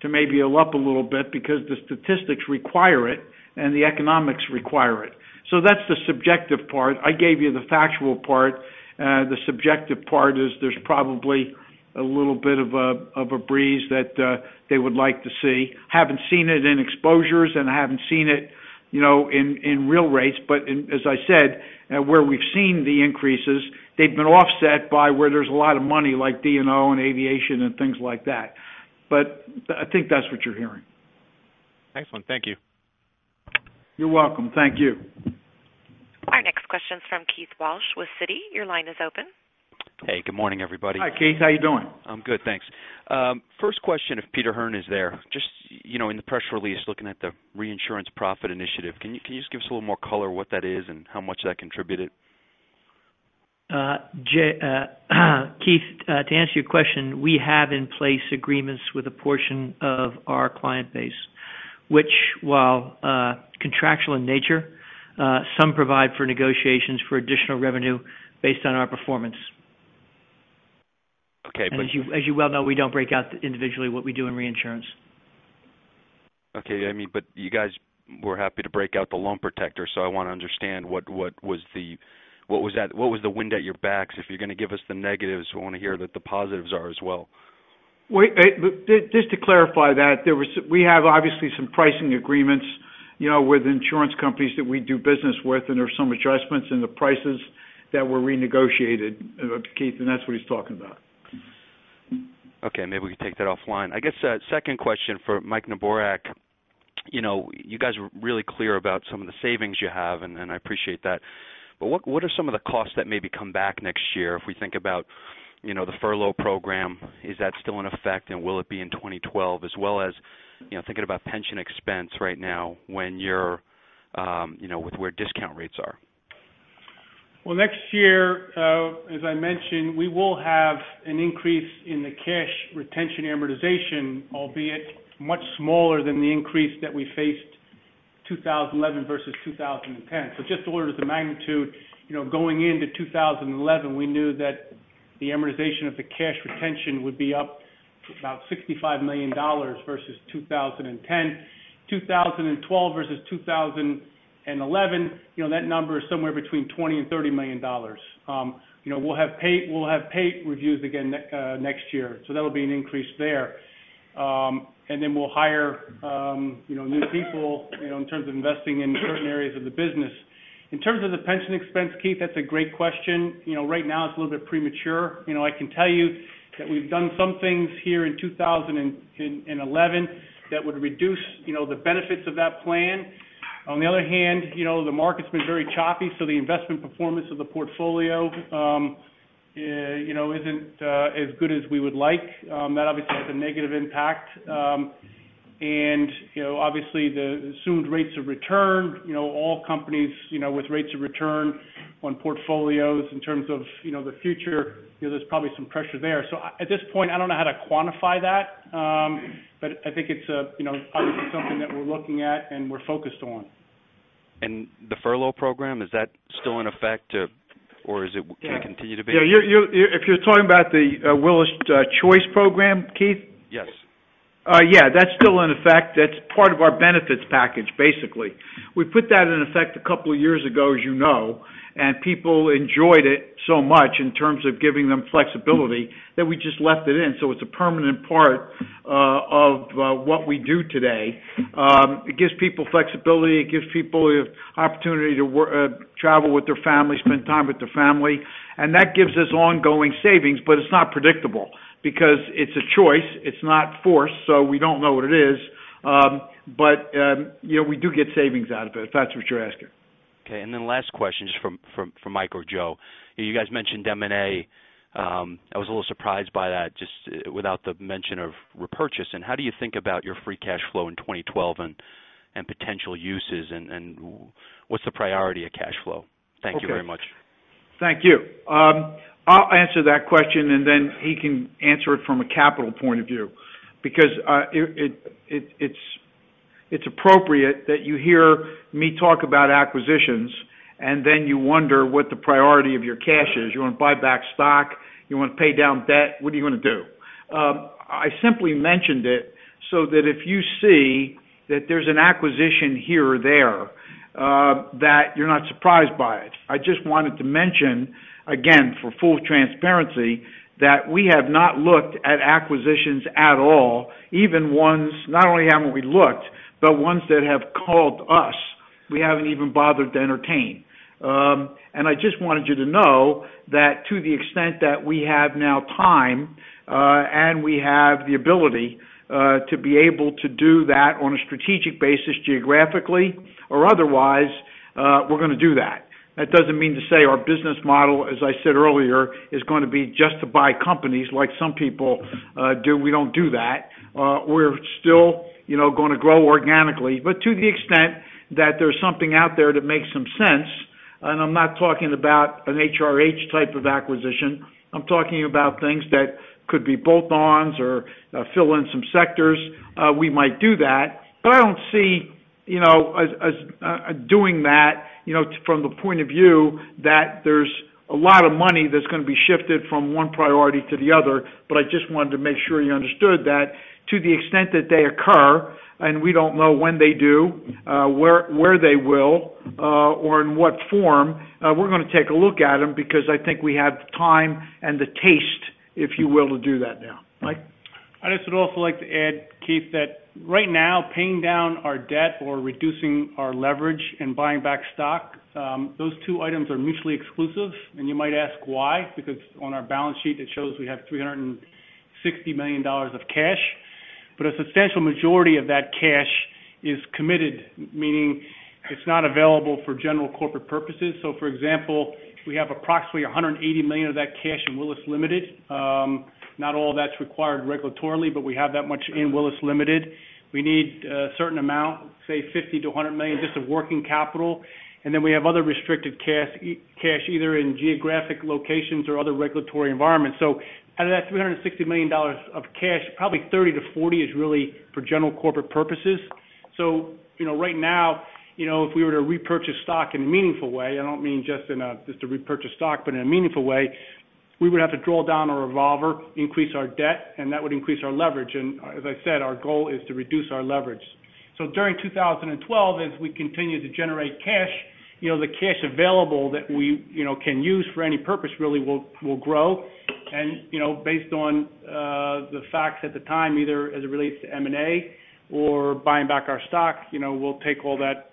to maybe up a little bit because the statistics require it and the economics require it. That's the subjective part. I gave you the factual part. The subjective part is there's probably a little bit of a breeze that they would like to see. Haven't seen it in exposures. I haven't seen it in real rates. As I said, where we've seen the increases, they've been offset by where there's a lot of money, like D&O and aviation and things like that. I think that's what you're hearing. Excellent. Thank you. You're welcome. Thank you. Our next question is from Keith Walsh with Citi. Your line is open. Hey, good morning, everybody. Hi, Keith. How you doing? I'm good, thanks. First question, if Peter Hearn is there, just in the press release, looking at the reinsurance profit initiative, can you just give us a little more color what that is and how much that contributed? Keith, to answer your question, we have in place agreements with a portion of our client base, which while contractual in nature, some provide for negotiations for additional revenue based on our performance. Okay. As you well know, we don't break out individually what we do in reinsurance. Okay. You guys were happy to break out the Loan Protector, so I want to understand what was the wind at your backs? If you're going to give us the negatives, we want to hear what the positives are as well. Just to clarify that, we have obviously some pricing agreements with insurance companies that we do business with. There's some adjustments in the prices that were renegotiated, Keith. That's what he's talking about. Okay, maybe we can take that offline. I guess, second question for Mike Neborak. You guys were really clear about some of the savings you have, and I appreciate that. What are some of the costs that maybe come back next year if we think about the furlough program, is that still in effect and will it be in 2012, as well as thinking about pension expense right now with where discount rates are? Well, next year, as I mentioned, we will have an increase in the cash retention amortization, albeit much smaller than the increase that we faced 2011 versus 2010. Just to order the magnitude, going into 2011, we knew that the amortization of the cash retention would be up to about $65 million versus 2010. 2012 versus 2011, that number is somewhere between $20 million-$30 million. We'll have paid reviews again next year. That'll be an increase there. We'll hire new people in terms of investing in certain areas of the business. In terms of the pension expense, Keith, that's a great question. Right now it's a little bit premature. I can tell you that we've done some things here in 2011 that would reduce the benefits of that plan. On the other hand, the market's been very choppy, so the investment performance of the portfolio isn't as good as we would like. That obviously has a negative impact. Obviously the assumed rates of return, all companies with rates of return on portfolios in terms of the future, there's probably some pressure there. At this point, I don't know how to quantify that. I think it's obviously something that we're looking at and we're focused on. The furlough program, is that still in effect or is it going to continue to be? If you're talking about the Willis Choice program, Keith? Yes. That's still in effect. That's part of our benefits package, basically. We put that in effect a couple of years ago, as you know, and people enjoyed it so much in terms of giving them flexibility that we just left it in. It's a permanent part of what we do today. It gives people flexibility. It gives people the opportunity to travel with their family, spend time with their family, and that gives us ongoing savings, but it's not predictable because it's a choice. It's not forced, so we don't know what it is. We do get savings out of it if that's what you're asking. Last question, just for Mike or Joe. You guys mentioned M&A. I was a little surprised by that just without the mention of repurchase. How do you think about your free cash flow in 2012 and potential uses and what's the priority of cash flow? Thank you very much. Thank you. I'll answer that question, then he can answer it from a capital point of view, because it's appropriate that you hear me talk about acquisitions, then you wonder what the priority of your cash is. You want to buy back stock, you want to pay down debt, what are you going to do? I simply mentioned it so that if you see that there's an acquisition here or there, that you're not surprised by it. I just wanted to mention, again, for full transparency, that we have not looked at acquisitions at all. Not only haven't we looked, but ones that have called us, we haven't even bothered to entertain. I just wanted you to know that to the extent that we have now time, we have the ability to be able to do that on a strategic basis, geographically or otherwise, we're going to do that. That doesn't mean to say our business model, as I said earlier, is going to be just to buy companies like some people do. We don't do that. We're still going to grow organically, but to the extent that there's something out there that makes some sense, I'm not talking about an HRH type of acquisition. I'm talking about things that could be bolt-ons or fill in some sectors. We might do that. I don't see doing that from the point of view that there's a lot of money that's going to be shifted from one priority to the other. I just wanted to make sure you understood that to the extent that they occur, we don't know when they do, where they will, or in what form, we're going to take a look at them because I think we have the time and the taste, if you will, to do that now. Mike? I just would also like to add, Keith, that right now, paying down our debt or reducing our leverage and buying back stock, those two items are mutually exclusive. You might ask why, because on our balance sheet, it shows we have $360 million of cash. A substantial majority of that cash is committed, meaning it's not available for general corporate purposes. For example, we have approximately $180 million of that cash in Willis Limited. Not all that's required regulatorily, but we have that much in Willis Limited. We need a certain amount, say $50 million-$100 million just of working capital. Then we have other restricted cash, either in geographic locations or other regulatory environments. Out of that $360 million of cash, probably $30 million-$40 million is really for general corporate purposes. Right now, if we were to repurchase stock in a meaningful way, I don't mean just to repurchase stock, but in a meaningful way, we would have to draw down our revolver, increase our debt, and that would increase our leverage. As I said, our goal is to reduce our leverage. During 2012, as we continue to generate cash, the cash available that we can use for any purpose really will grow. Based on the facts at the time, either as it relates to M&A or buying back our stock, we'll take all that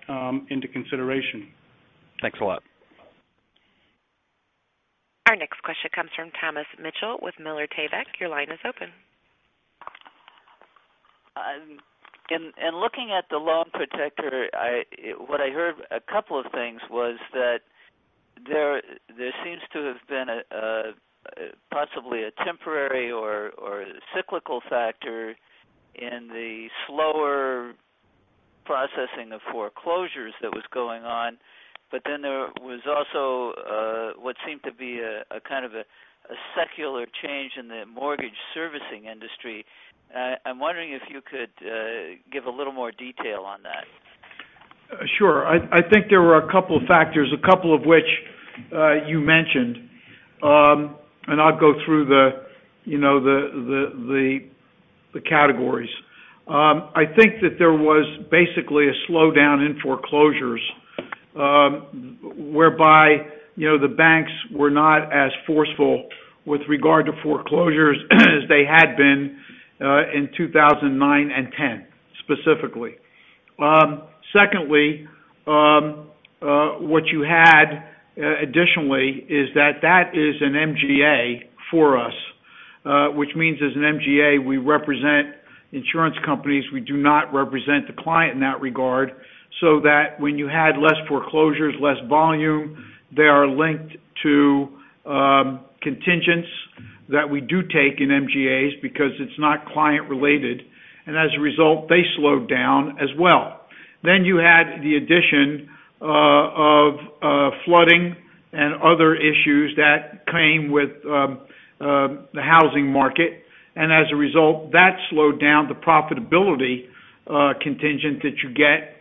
into consideration. Thanks a lot. Our next question comes from Thomas Mitchell with Miller Tabak. Your line is open. In looking at the Loan Protector, what I heard, a couple of things was that there seems to have been possibly a temporary or cyclical factor in the slower processing of foreclosures that was going on. There was also what seemed to be a kind of a secular change in the mortgage servicing industry. I'm wondering if you could give a little more detail on that. Sure. I think there were a couple of factors, a couple of which you mentioned. I'll go through the categories. I think that there was basically a slowdown in foreclosures, whereby the banks were not as forceful with regard to foreclosures as they had been in 2009 and 2010, specifically. Secondly, what you had additionally is that that is an MGA for us, which means as an MGA, we represent insurance companies. We do not represent the client in that regard, so that when you had less foreclosures, less volume, they are linked to contingents that we do take in MGAs because it's not client-related, and as a result, they slowed down as well. You had the addition of flooding and other issues that came with the housing market, and as a result, that slowed down the profitability contingent that you get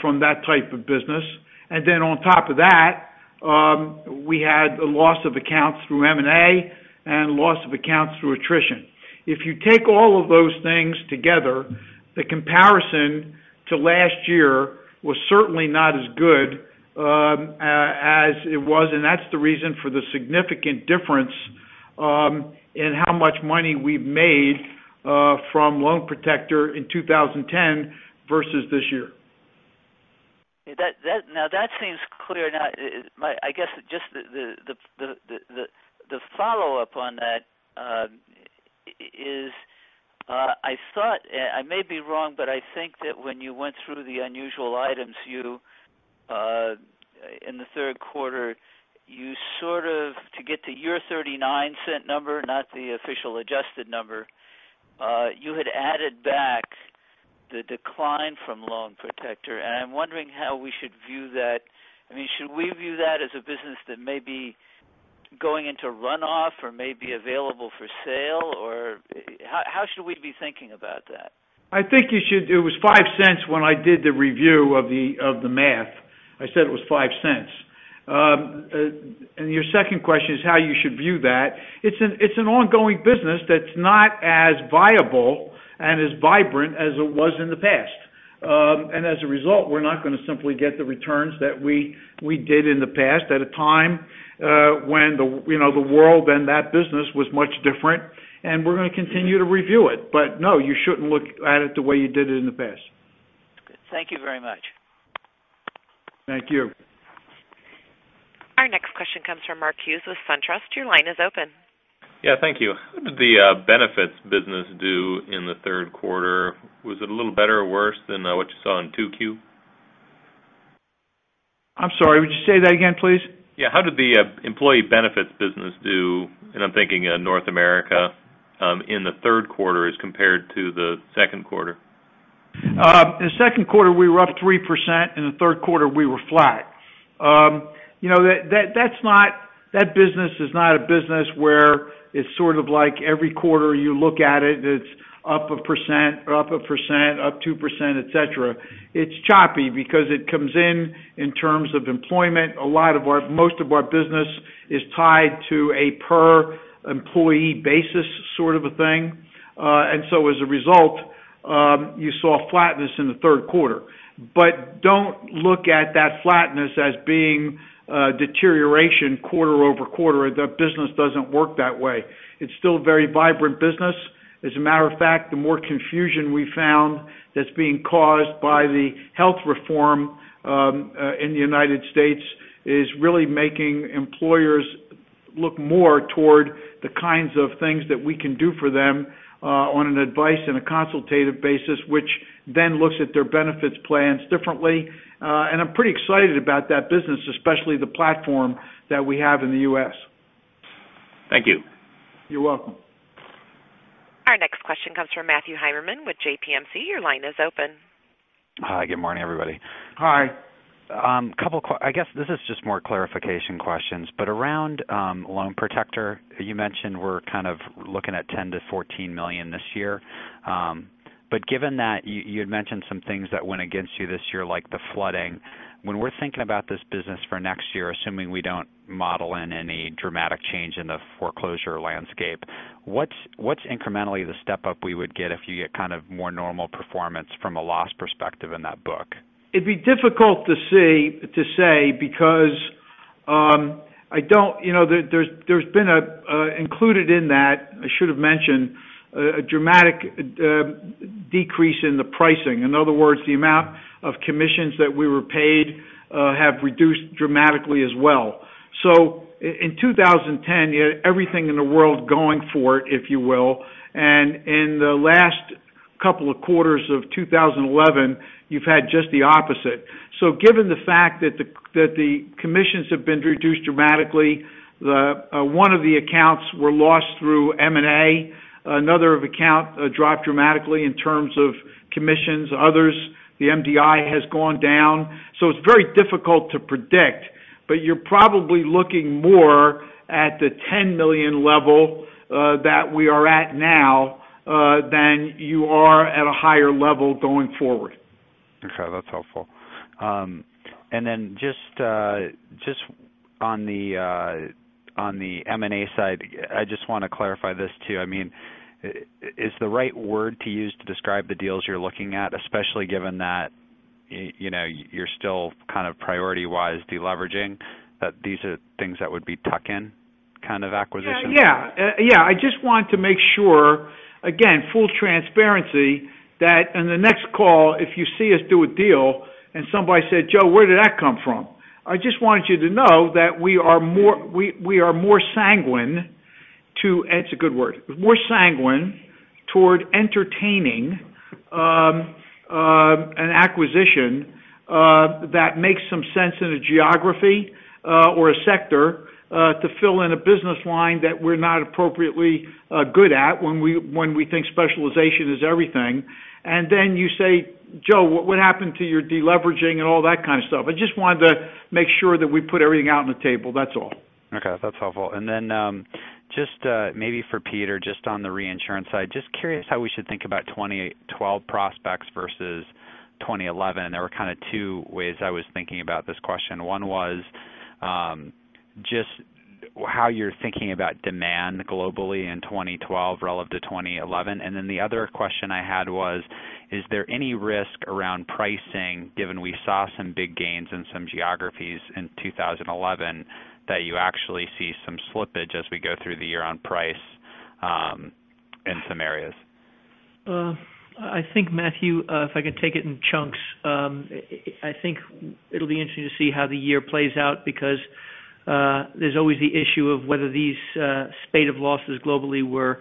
from that type of business. On top of that, we had a loss of accounts through M&A and loss of accounts through attrition. If you take all of those things together, the comparison to last year was certainly not as good as it was, and that's the reason for the significant difference in how much money we've made from Loan Protector in 2010 versus this year. That seems clear. I guess just the follow-up on that is I thought, I may be wrong, but I think that when you went through the unusual items in the third quarter, to get to your $0.39 number, not the official adjusted number, you had added back the decline from Loan Protector, and I'm wondering how we should view that. Should we view that as a business that may be going into runoff or may be available for sale? How should we be thinking about that? I think it was $0.05 when I did the review of the math. I said it was $0.05. Your second question is how you should view that. It's an ongoing business that's not as viable and as vibrant as it was in the past. As a result, we're not going to simply get the returns that we did in the past at a time when the world and that business was much different, and we're going to continue to review it. No, you shouldn't look at it the way you did it in the past. Good. Thank you very much. Thank you. Our next question comes from Mark Hughes with SunTrust. Your line is open. Yeah, thank you. How did the benefits business do in the third quarter? Was it a little better or worse than what you saw in 2Q? I'm sorry, would you say that again, please? Yeah. How did the employee benefits business do, and I'm thinking North America, in the third quarter as compared to the second quarter? In the second quarter, we were up 3%, in the third quarter, we were flat. That business is not a business where it's sort of like every quarter you look at it, and it's up 1%, up 1%, up 2%, et cetera. It's choppy because it comes in terms of employment. Most of our business is tied to a per employee basis sort of a thing. As a result, you saw flatness in the third quarter. Don't look at that flatness as being a deterioration quarter-over-quarter. The business doesn't work that way. It's still a very vibrant business. As a matter of fact, the more confusion we found that's being caused by the health reform in the United States is really making employers look more toward the kinds of things that we can do for them on an advice and a consultative basis, which then looks at their benefits plans differently. I'm pretty excited about that business, especially the platform that we have in the U.S. Thank you. You're welcome. Our next question comes from Matthew Heimermann with JPMorgan. Your line is open. Hi, good morning, everybody. Hi. I guess this is just more clarification questions around Loan Protector, you mentioned we're kind of looking at $10 million-$14 million this year. Given that you had mentioned some things that went against you this year, like the flooding, when we're thinking about this business for next year, assuming we don't model in any dramatic change in the foreclosure landscape, what's incrementally the step-up we would get if you get kind of more normal performance from a loss perspective in that book? It'd be difficult to say, because there's been included in that, I should have mentioned, a dramatic decrease in the pricing. In other words, the amount of commissions that we were paid have reduced dramatically as well. In 2010, you had everything in the world going for it, if you will. In the last couple of quarters of 2011, you've had just the opposite. Given the fact that the commissions have been reduced dramatically, one of the accounts were lost through M&A. Another account dropped dramatically in terms of commissions. Others, the MDI has gone down. It's very difficult to predict, but you're probably looking more at the $10 million level that we are at now than you are at a higher level going forward. Okay, that's helpful. Just on the M&A side, I just want to clarify this too. Is the right word to use to describe the deals you're looking at, especially given that you're still kind of priority-wise de-leveraging, that these are things that would be tuck-in kind of acquisitions? Yeah. I just wanted to make sure, again, full transparency, that in the next call, if you see us do a deal and somebody said, "Joe, where did that come from?" I just wanted you to know that we are more sanguine to, it's a good word, we're more sanguine toward entertaining an acquisition that makes some sense in a geography or a sector to fill in a business line that we're not appropriately good at when we think specialization is everything. You say, "Joe, what happened to your de-leveraging?" and all that kind of stuff. I just wanted to make sure that we put everything out on the table. That's all. Okay, that's helpful. Just maybe for Peter, just on the reinsurance side, just curious how we should think about 2012 prospects versus 2011. There were kind of two ways I was thinking about this question. One was just how you're thinking about demand globally in 2012 relevant to 2011. The other question I had was, is there any risk around pricing given we saw some big gains in some geographies in 2011 that you actually see some slippage as we go through the year on price in some areas? I think Matthew, if I could take it in chunks, I think it'll be interesting to see how the year plays out because there's always the issue of whether these spate of losses globally were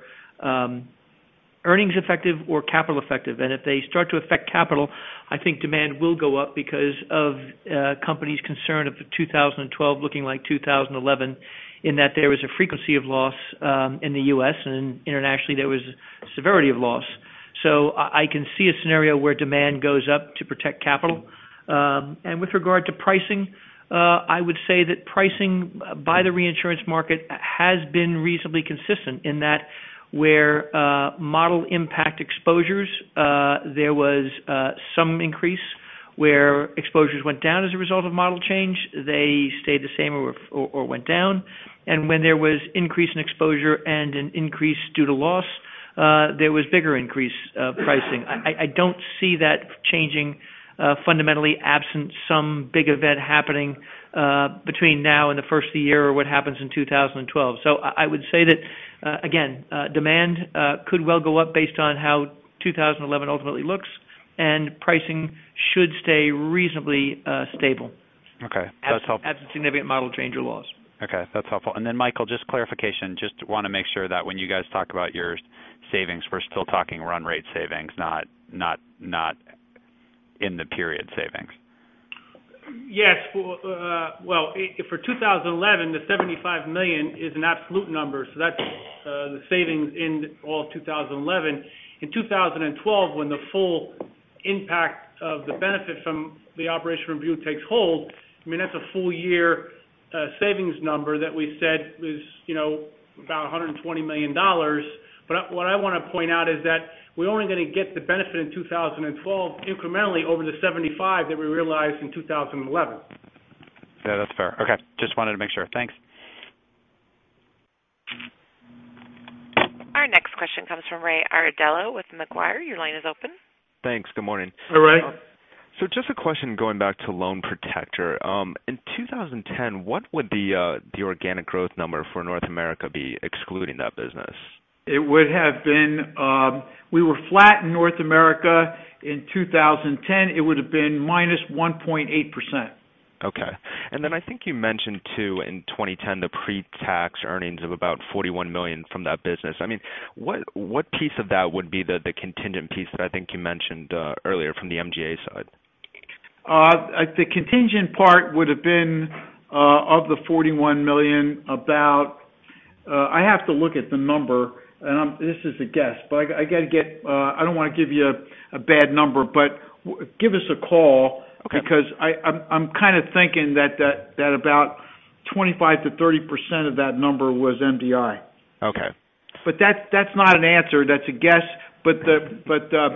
earnings effective or capital effective. If they start to affect capital I think demand will go up because of companies concerned of 2012 looking like 2011, in that there was a frequency of loss in the U.S., and internationally, there was severity of loss. I can see a scenario where demand goes up to protect capital. With regard to pricing, I would say that pricing by the reinsurance market has been reasonably consistent in that where model impact exposures, there was some increase. Where exposures went down as a result of model change, they stayed the same or went down. When there was increase in exposure and an increase due to loss, there was bigger increase pricing. I don't see that changing fundamentally absent some big event happening between now and the first of the year or what happens in 2012. I would say that, again, demand could well go up based on how 2011 ultimately looks, and pricing should stay reasonably stable. Okay. That's helpful. Absent significant model change or loss. Okay, that's helpful. Michael, just clarification. Just want to make sure that when you guys talk about your savings, we're still talking run rate savings, not in the period savings. Yes. Well, for 2011, the $75 million is an absolute number, so that's the savings in all of 2011. In 2012, when the full impact of the benefit from the operational review takes hold, that's a full year savings number that we said was about $120 million. What I want to point out is that we're only going to get the benefit in 2012 incrementally over the $75 that we realized in 2011. Yeah, that's fair. Okay, just wanted to make sure. Thanks. Our next question comes from Ray Ardello with Macquarie. Your line is open. Thanks. Good morning. Hey, Ray. Just a question going back to Loan Protector. In 2010, what would the organic growth number for North America be, excluding that business? We were flat in North America in 2010. It would've been -1.8%. Okay. Then I think you mentioned too, in 2010, the pre-tax earnings of about $41 million from that business. What piece of that would be the contingent piece that I think you mentioned earlier from the MGA side? The contingent part would have been, of the $41 million, about, I have to look at the number, and this is a guess. I don't want to give you a bad number, but give us a call because I'm kind of thinking that about 25% to 30% of that number was MDI. Okay. That's not an answer, that's a guess, but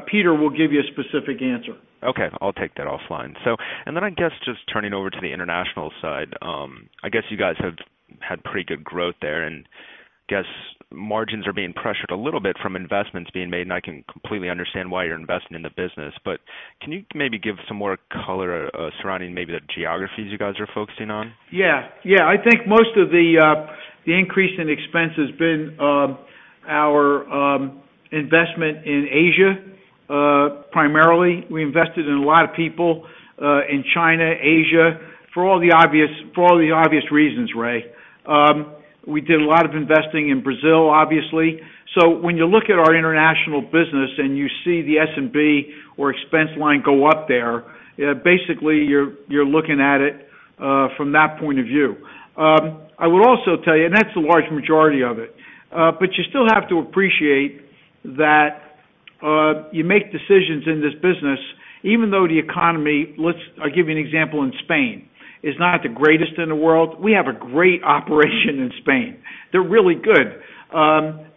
Peter will give you a specific answer. Okay. I'll take that offline. Then I guess just turning over to the international side. I guess you guys have had pretty good growth there, and I guess margins are being pressured a little bit from investments being made, and I can completely understand why you're investing in the business. Can you maybe give some more color surrounding maybe the geographies you guys are focusing on? Yeah. I think most of the increase in expense has been our investment in Asia. Primarily, we invested in a lot of people in China, Asia, for all the obvious reasons, Ray. We did a lot of investing in Brazil, obviously. When you look at our international business and you see the S&B or expense line go up there, basically you're looking at it from that point of view. I will also tell you, that's the large majority of it, you still have to appreciate that you make decisions in this business, even though the economy, I'll give you an example in Spain, is not the greatest in the world. We have a great operation in Spain. They're really good.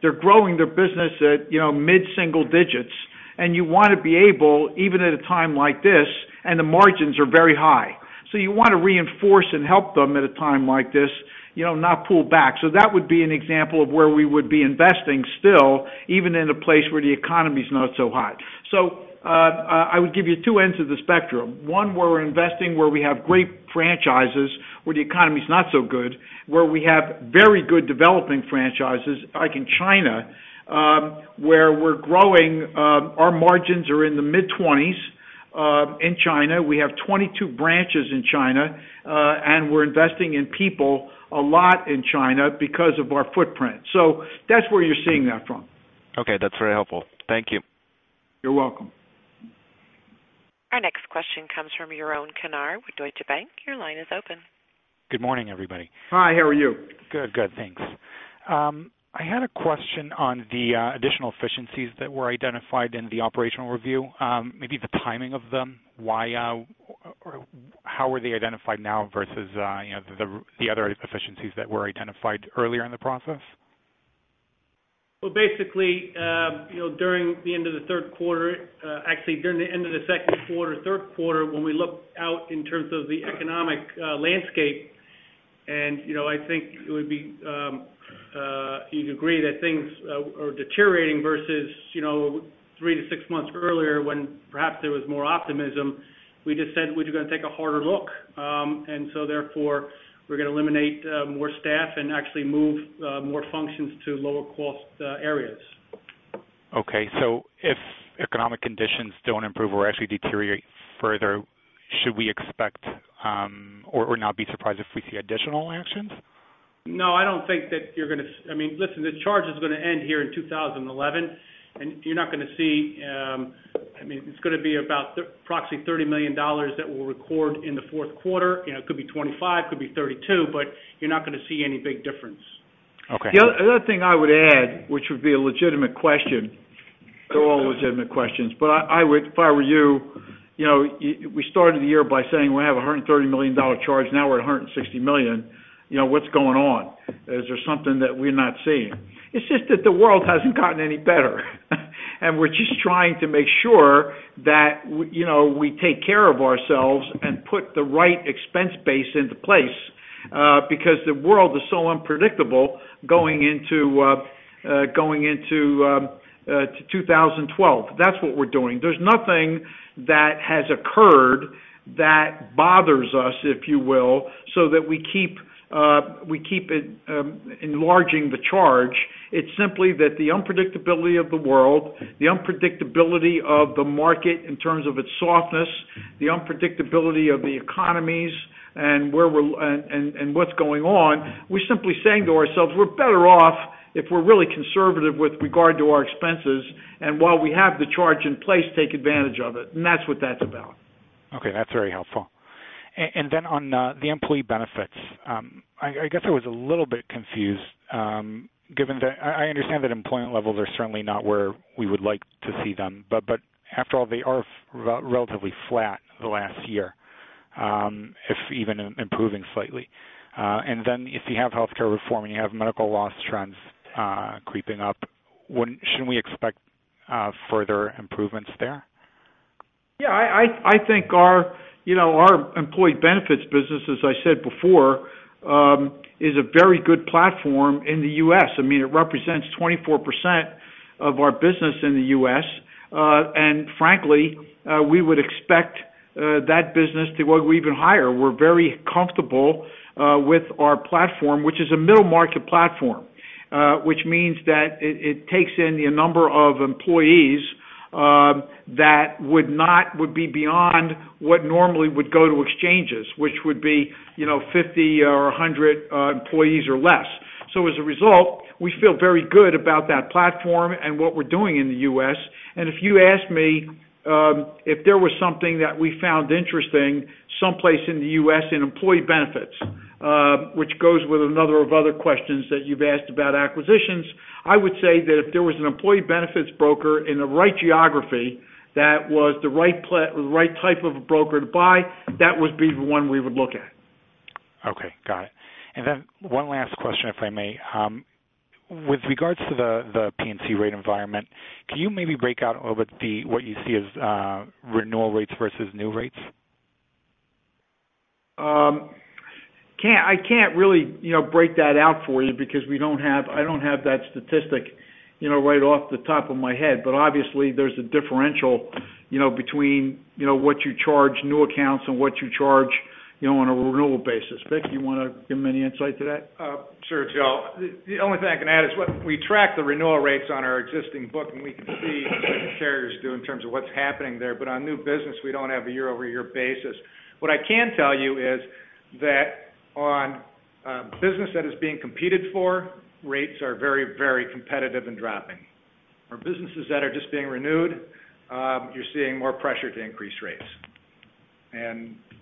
They're growing their business at mid-single digits, you want to be able, even at a time like this, and the margins are very high. You want to reinforce and help them at a time like this, not pull back. That would be an example of where we would be investing still, even in a place where the economy's not so hot. I would give you two ends of the spectrum. One, where we're investing where we have great franchises, where the economy's not so good, where we have very good developing franchises, like in China, where we're growing. Our margins are in the mid-20s in China. We have 22 branches in China, we're investing in people a lot in China because of our footprint. That's where you're seeing that from. Okay, that's very helpful. Thank you. You're welcome. Our next question comes from Jeroen Cannaert with Deutsche Bank. Your line is open. Good morning, everybody. Hi, how are you? Good, thanks. I had a question on the additional efficiencies that were identified in the operational review. Maybe the timing of them. How were they identified now versus the other efficiencies that were identified earlier in the process? Well, basically, during the end of the third quarter, actually during the end of the second quarter, third quarter, when we looked out in terms of the economic landscape, I think you'd agree that things are deteriorating versus 3 to 6 months earlier when perhaps there was more optimism. We just said we're going to take a harder look. Therefore, we're going to eliminate more staff and actually move more functions to lower cost areas. Okay, if economic conditions don't improve or actually deteriorate further, should we expect or not be surprised if we see additional actions? No, I don't think that you're going to Listen, the charge is going to end here in 2011. You're not going to see It's going to be about approximately $30 million that we'll record in the fourth quarter. It could be 25, could be 32. You're not going to see any big difference. Okay. The other thing I would add, which would be a legitimate question, they're all legitimate questions, if I were you, we started the year by saying we have $130 million charge, now we're at $160 million, what's going on? Is there something that we're not seeing? It's just that the world hasn't gotten any better, and we're just trying to make sure that we take care of ourselves and put the right expense base into place, because the world is so unpredictable going into 2012. That's what we're doing. There's nothing that has occurred that bothers us, if you will, so that we keep enlarging the charge. It's simply that the unpredictability of the world, the unpredictability of the market in terms of its softness, the unpredictability of the economies, and what's going on, we're simply saying to ourselves, we're better off if we're really conservative with regard to our expenses, and while we have the charge in place, take advantage of it. That's what that's about. Okay, that's very helpful. Then on the employee benefits, I guess I was a little bit confused, given that I understand that employment levels are certainly not where we would like to see them, after all, they are relatively flat the last year, if even improving slightly. Then if you have healthcare reform and you have medical loss trends creeping up, shouldn't we expect further improvements there? Yeah, I think our employee benefits business, as I said before, is a very good platform in the U.S. It represents 24% of our business in the U.S., and frankly, we would expect that business to go even higher. We're very comfortable with our platform, which is a middle market platform. Which means that it takes in the number of employees that would be beyond what normally would go to exchanges, which would be 50 or 100 employees or less. As a result, we feel very good about that platform and what we're doing in the U.S. If you ask me if there was something that we found interesting someplace in the U.S. in employee benefits, which goes with another of other questions that you've asked about acquisitions, I would say that if there was an employee benefits broker in the right geography, that was the right type of a broker to buy, that would be the one we would look at. Okay. Got it. Then one last question, if I may. With regards to the P&C rate environment, can you maybe break out over what you see as renewal rates versus new rates? I can't really break that out for you because I don't have that statistic right off the top of my head. Obviously there's a differential between what you charge new accounts and what you charge on a renewal basis. Vic, you want to give them any insight to that? Sure, Joe. The only thing I can add is we track the renewal rates on our existing book, and we can see what the carriers do in terms of what's happening there. On new business, we don't have a year-over-year basis. What I can tell you is that on business that is being competed for, rates are very competitive and dropping. For businesses that are just being renewed, you're seeing more pressure to increase rates.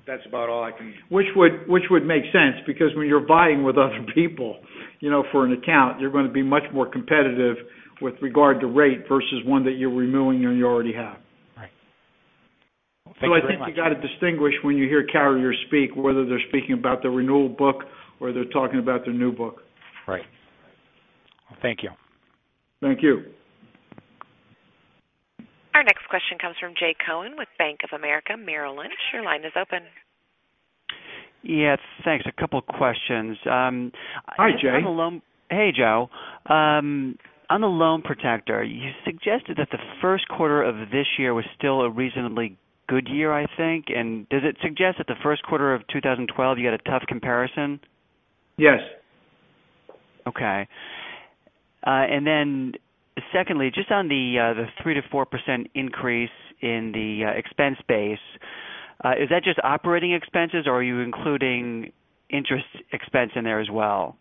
That's about all I can. Which would make sense because when you're buying with other people for an account, you're going to be much more competitive with regard to rate versus one that you're renewing and you already have. Right. Thank you very much. I think you got to distinguish when you hear carriers speak, whether they're speaking about their renewal book or they're talking about their new book. Right. Thank you. Thank you. Our next question comes from Jay Cohen with Bank of America Merrill Lynch. Your line is open. Yes, thanks. A couple of questions. Hi, Jay. Hey, Joe. On the Loan Protector, you suggested that the first quarter of this year was still a reasonably good year, I think. Does it suggest that the first quarter of 2012, you had a tough comparison? Yes. Okay. Then secondly, just on the 3%-4% increase in the expense base, is that just operating expenses or are you including interest expense in there as well?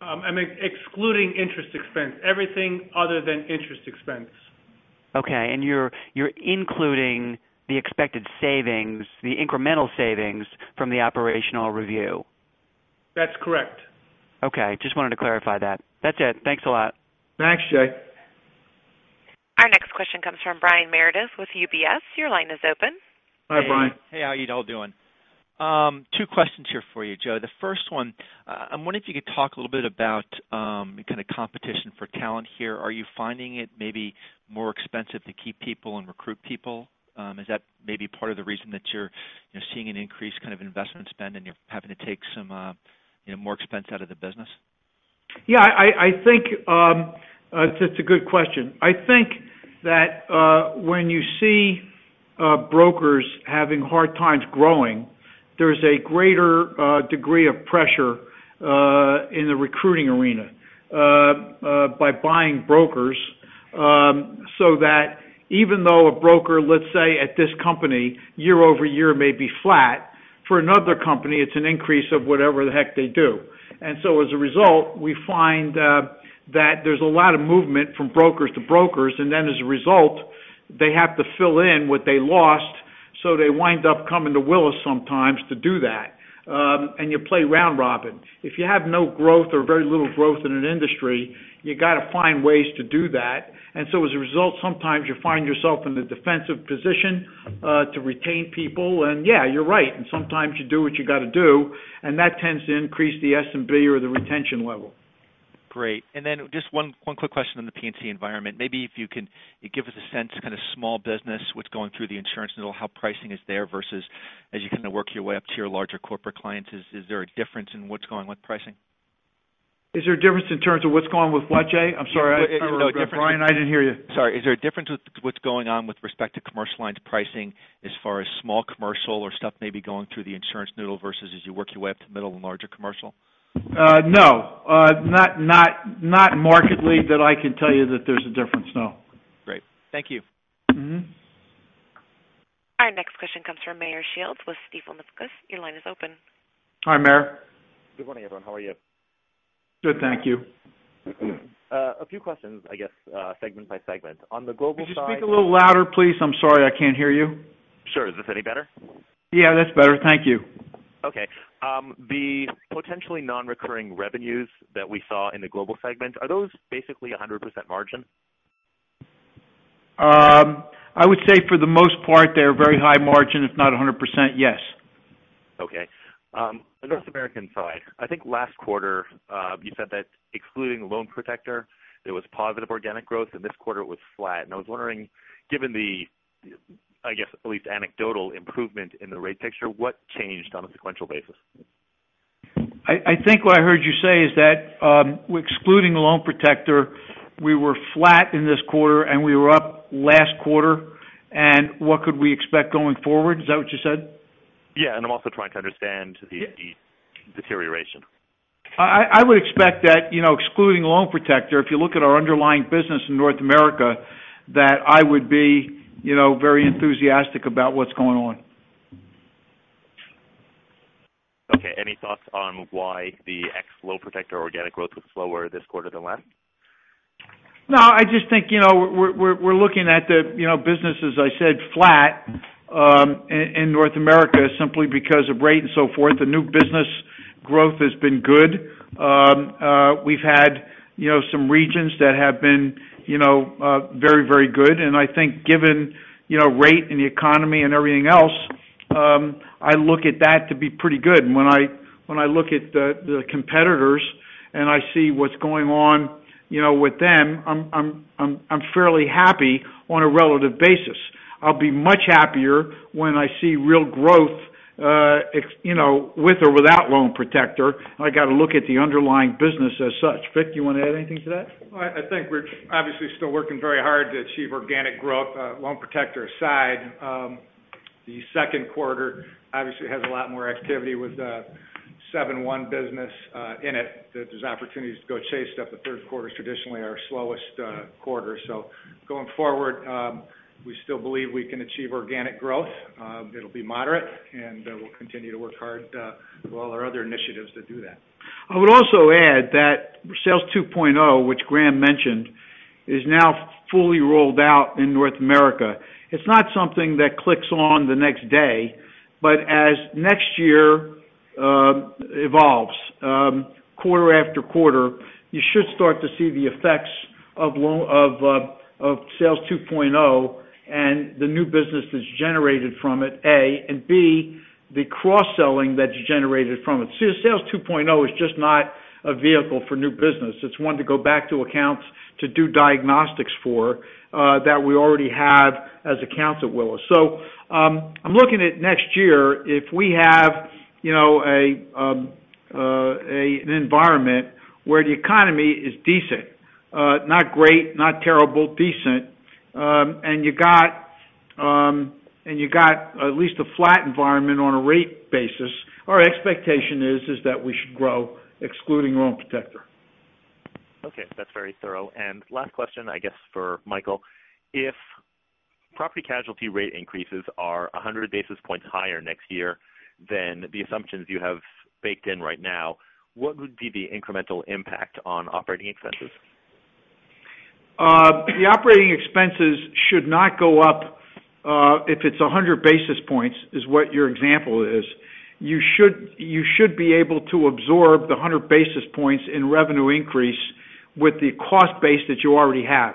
I mean, excluding interest expense, everything other than interest expense. Okay. You're including the expected savings, the incremental savings from the operational review? That's correct. Okay. Just wanted to clarify that. That's it. Thanks a lot. Thanks, Jay. Our next question comes from Brian Meredith with UBS. Your line is open. Hi, Brian. Hey, how you all doing? Two questions here for you, Joe. The first one, I'm wondering if you could talk a little bit about kind of competition for talent here. Are you finding it maybe more expensive to keep people and recruit people? Is that maybe part of the reason that you're seeing an increased kind of investment spend and you're having to take some more expense out of the business? Yeah, that's a good question. I think that when you see brokers having hard times growing, there's a greater degree of pressure in the recruiting arena. By buying brokers. That even though a broker, let's say, at this company year-over-year may be flat, for another company, it's an increase of whatever the heck they do. As a result, we find that there's a lot of movement from brokers to brokers, and then as a result, they have to fill in what they lost, so they wind up coming to Willis sometimes to do that. You play round robin. If you have no growth or very little growth in an industry, you got to find ways to do that. As a result, sometimes you find yourself in the defensive position to retain people. Yeah, you're right. Sometimes you do what you got to do, and that tends to increase the S&B or the retention level. Great. Just one quick question on the P&C environment. Maybe if you can give us a sense, kind of small business, what's going through the Insurance Noodle, how pricing is there versus as you kind of work your way up to your larger corporate clients, is there a difference in what's going with pricing? Is there a difference in terms of what's going with what, Jay? I'm sorry, Brian, I didn't hear you. Sorry. Is there a difference with what's going on with respect to commercial lines pricing as far as small commercial or stuff maybe going through the Insurance Noodle versus as you work your way up to middle and larger commercial? No, not markedly that I can tell you that there's a difference, no. Great. Thank you. Our next question comes from Meyer Shields with Stifel Nicolaus. Your line is open. Hi, Meyer. Good morning, everyone. How are you? Good, thank you. A few questions, I guess, segment by segment. On the global side. Could you speak a little louder, please? I'm sorry, I can't hear you. Sure. Is this any better? Yeah, that's better. Thank you. Okay. The potentially non-recurring revenues that we saw in the global segment, are those basically 100% margin? I would say for the most part, they are very high margin, if not 100%, yes. Okay. The North American side, I think last quarter, you said that excluding Loan Protector, there was positive organic growth, and this quarter it was flat. I was wondering, given the, I guess, at least anecdotal improvement in the rate picture, what changed on a sequential basis? I think what I heard you say is that, excluding Loan Protector, we were flat in this quarter, and we were up last quarter, and what could we expect going forward? Is that what you said? Yeah. I'm also trying to understand the deterioration. I would expect that excluding Loan Protector, if you look at our underlying business in North America, that I would be very enthusiastic about what's going on. Okay, any thoughts on why the ex Loan Protector organic growth was slower this quarter than last? I just think we're looking at the business, as I said, flat, in North America simply because of rate and so forth. The new business growth has been good. We've had some regions that have been very good, I think given rate and the economy and everything else, I look at that to be pretty good. When I look at the competitors and I see what's going on with them, I'm fairly happy on a relative basis. I'll be much happier when I see real growth with or without Loan Protector. I got to look at the underlying business as such. Vic, you want to add anything to that? I think we're obviously still working very hard to achieve organic growth. Loan Protector aside, the second quarter obviously has a lot more activity with the 7/1 business in it, that there's opportunities to go chase stuff. The third quarter is traditionally our slowest quarter. Going forward, we still believe we can achieve organic growth. It'll be moderate, and we'll continue to work hard with all our other initiatives to do that. I would also add that Sales 2.0, which Grahame mentioned, is now fully rolled out in North America. It's not something that clicks on the next day, but as next year evolves, quarter after quarter, you should start to see the effects of Sales 2.0 and the new business that's generated from it, A, and B, the cross-selling that's generated from it. Sales 2.0 is just not a vehicle for new business. It's one to go back to accounts to do diagnostics for, that we already have as accounts at Willis. I'm looking at next year, if we have an environment where the economy is decent, not great, not terrible, decent, and you got at least a flat environment on a rate basis, our expectation is that we should grow excluding Loan Protector. Okay. That's very thorough. Last question, I guess, for Michael, if property casualty rate increases are 100 basis points higher next year than the assumptions you have baked in right now, what would be the incremental impact on operating expenses? The operating expenses should not go up if it's 100 basis points, is what your example is. You should be able to absorb the 100 basis points in revenue increase with the cost base that you already have.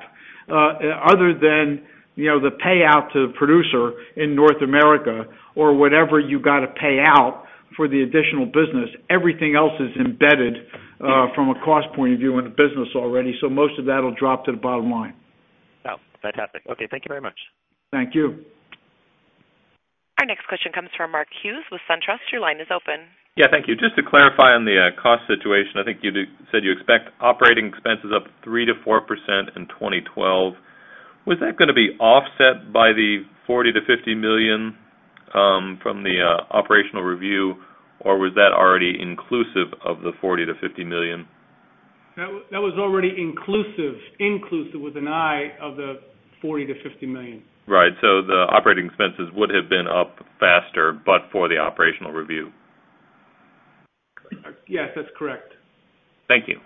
Other than the payout to the producer in North America or whatever you got to pay out for the additional business, everything else is embedded from a cost point of view in the business already. Most of that'll drop to the bottom line. Oh, fantastic. Okay, thank you very much. Thank you. Our next question comes from Mark Hughes with SunTrust. Your line is open. Yeah, thank you. Just to clarify on the cost situation, I think you said you expect operating expenses up three to 4% in 2012. Was that going to be offset by the $40 million-$50 million from the operational review, or was that already inclusive of the $40 million-$50 million? That was already inclusive with an I of the $40 million-$50 million. Right. The operating expenses would have been up faster but for the operational review. Yes, that's correct. Thank you.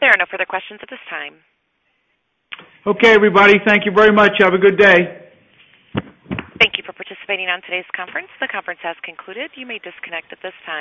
There are no further questions at this time. Okay, everybody. Thank you very much. Have a good day. Thank you for participating in today's conference. The conference has concluded. You may disconnect at this time.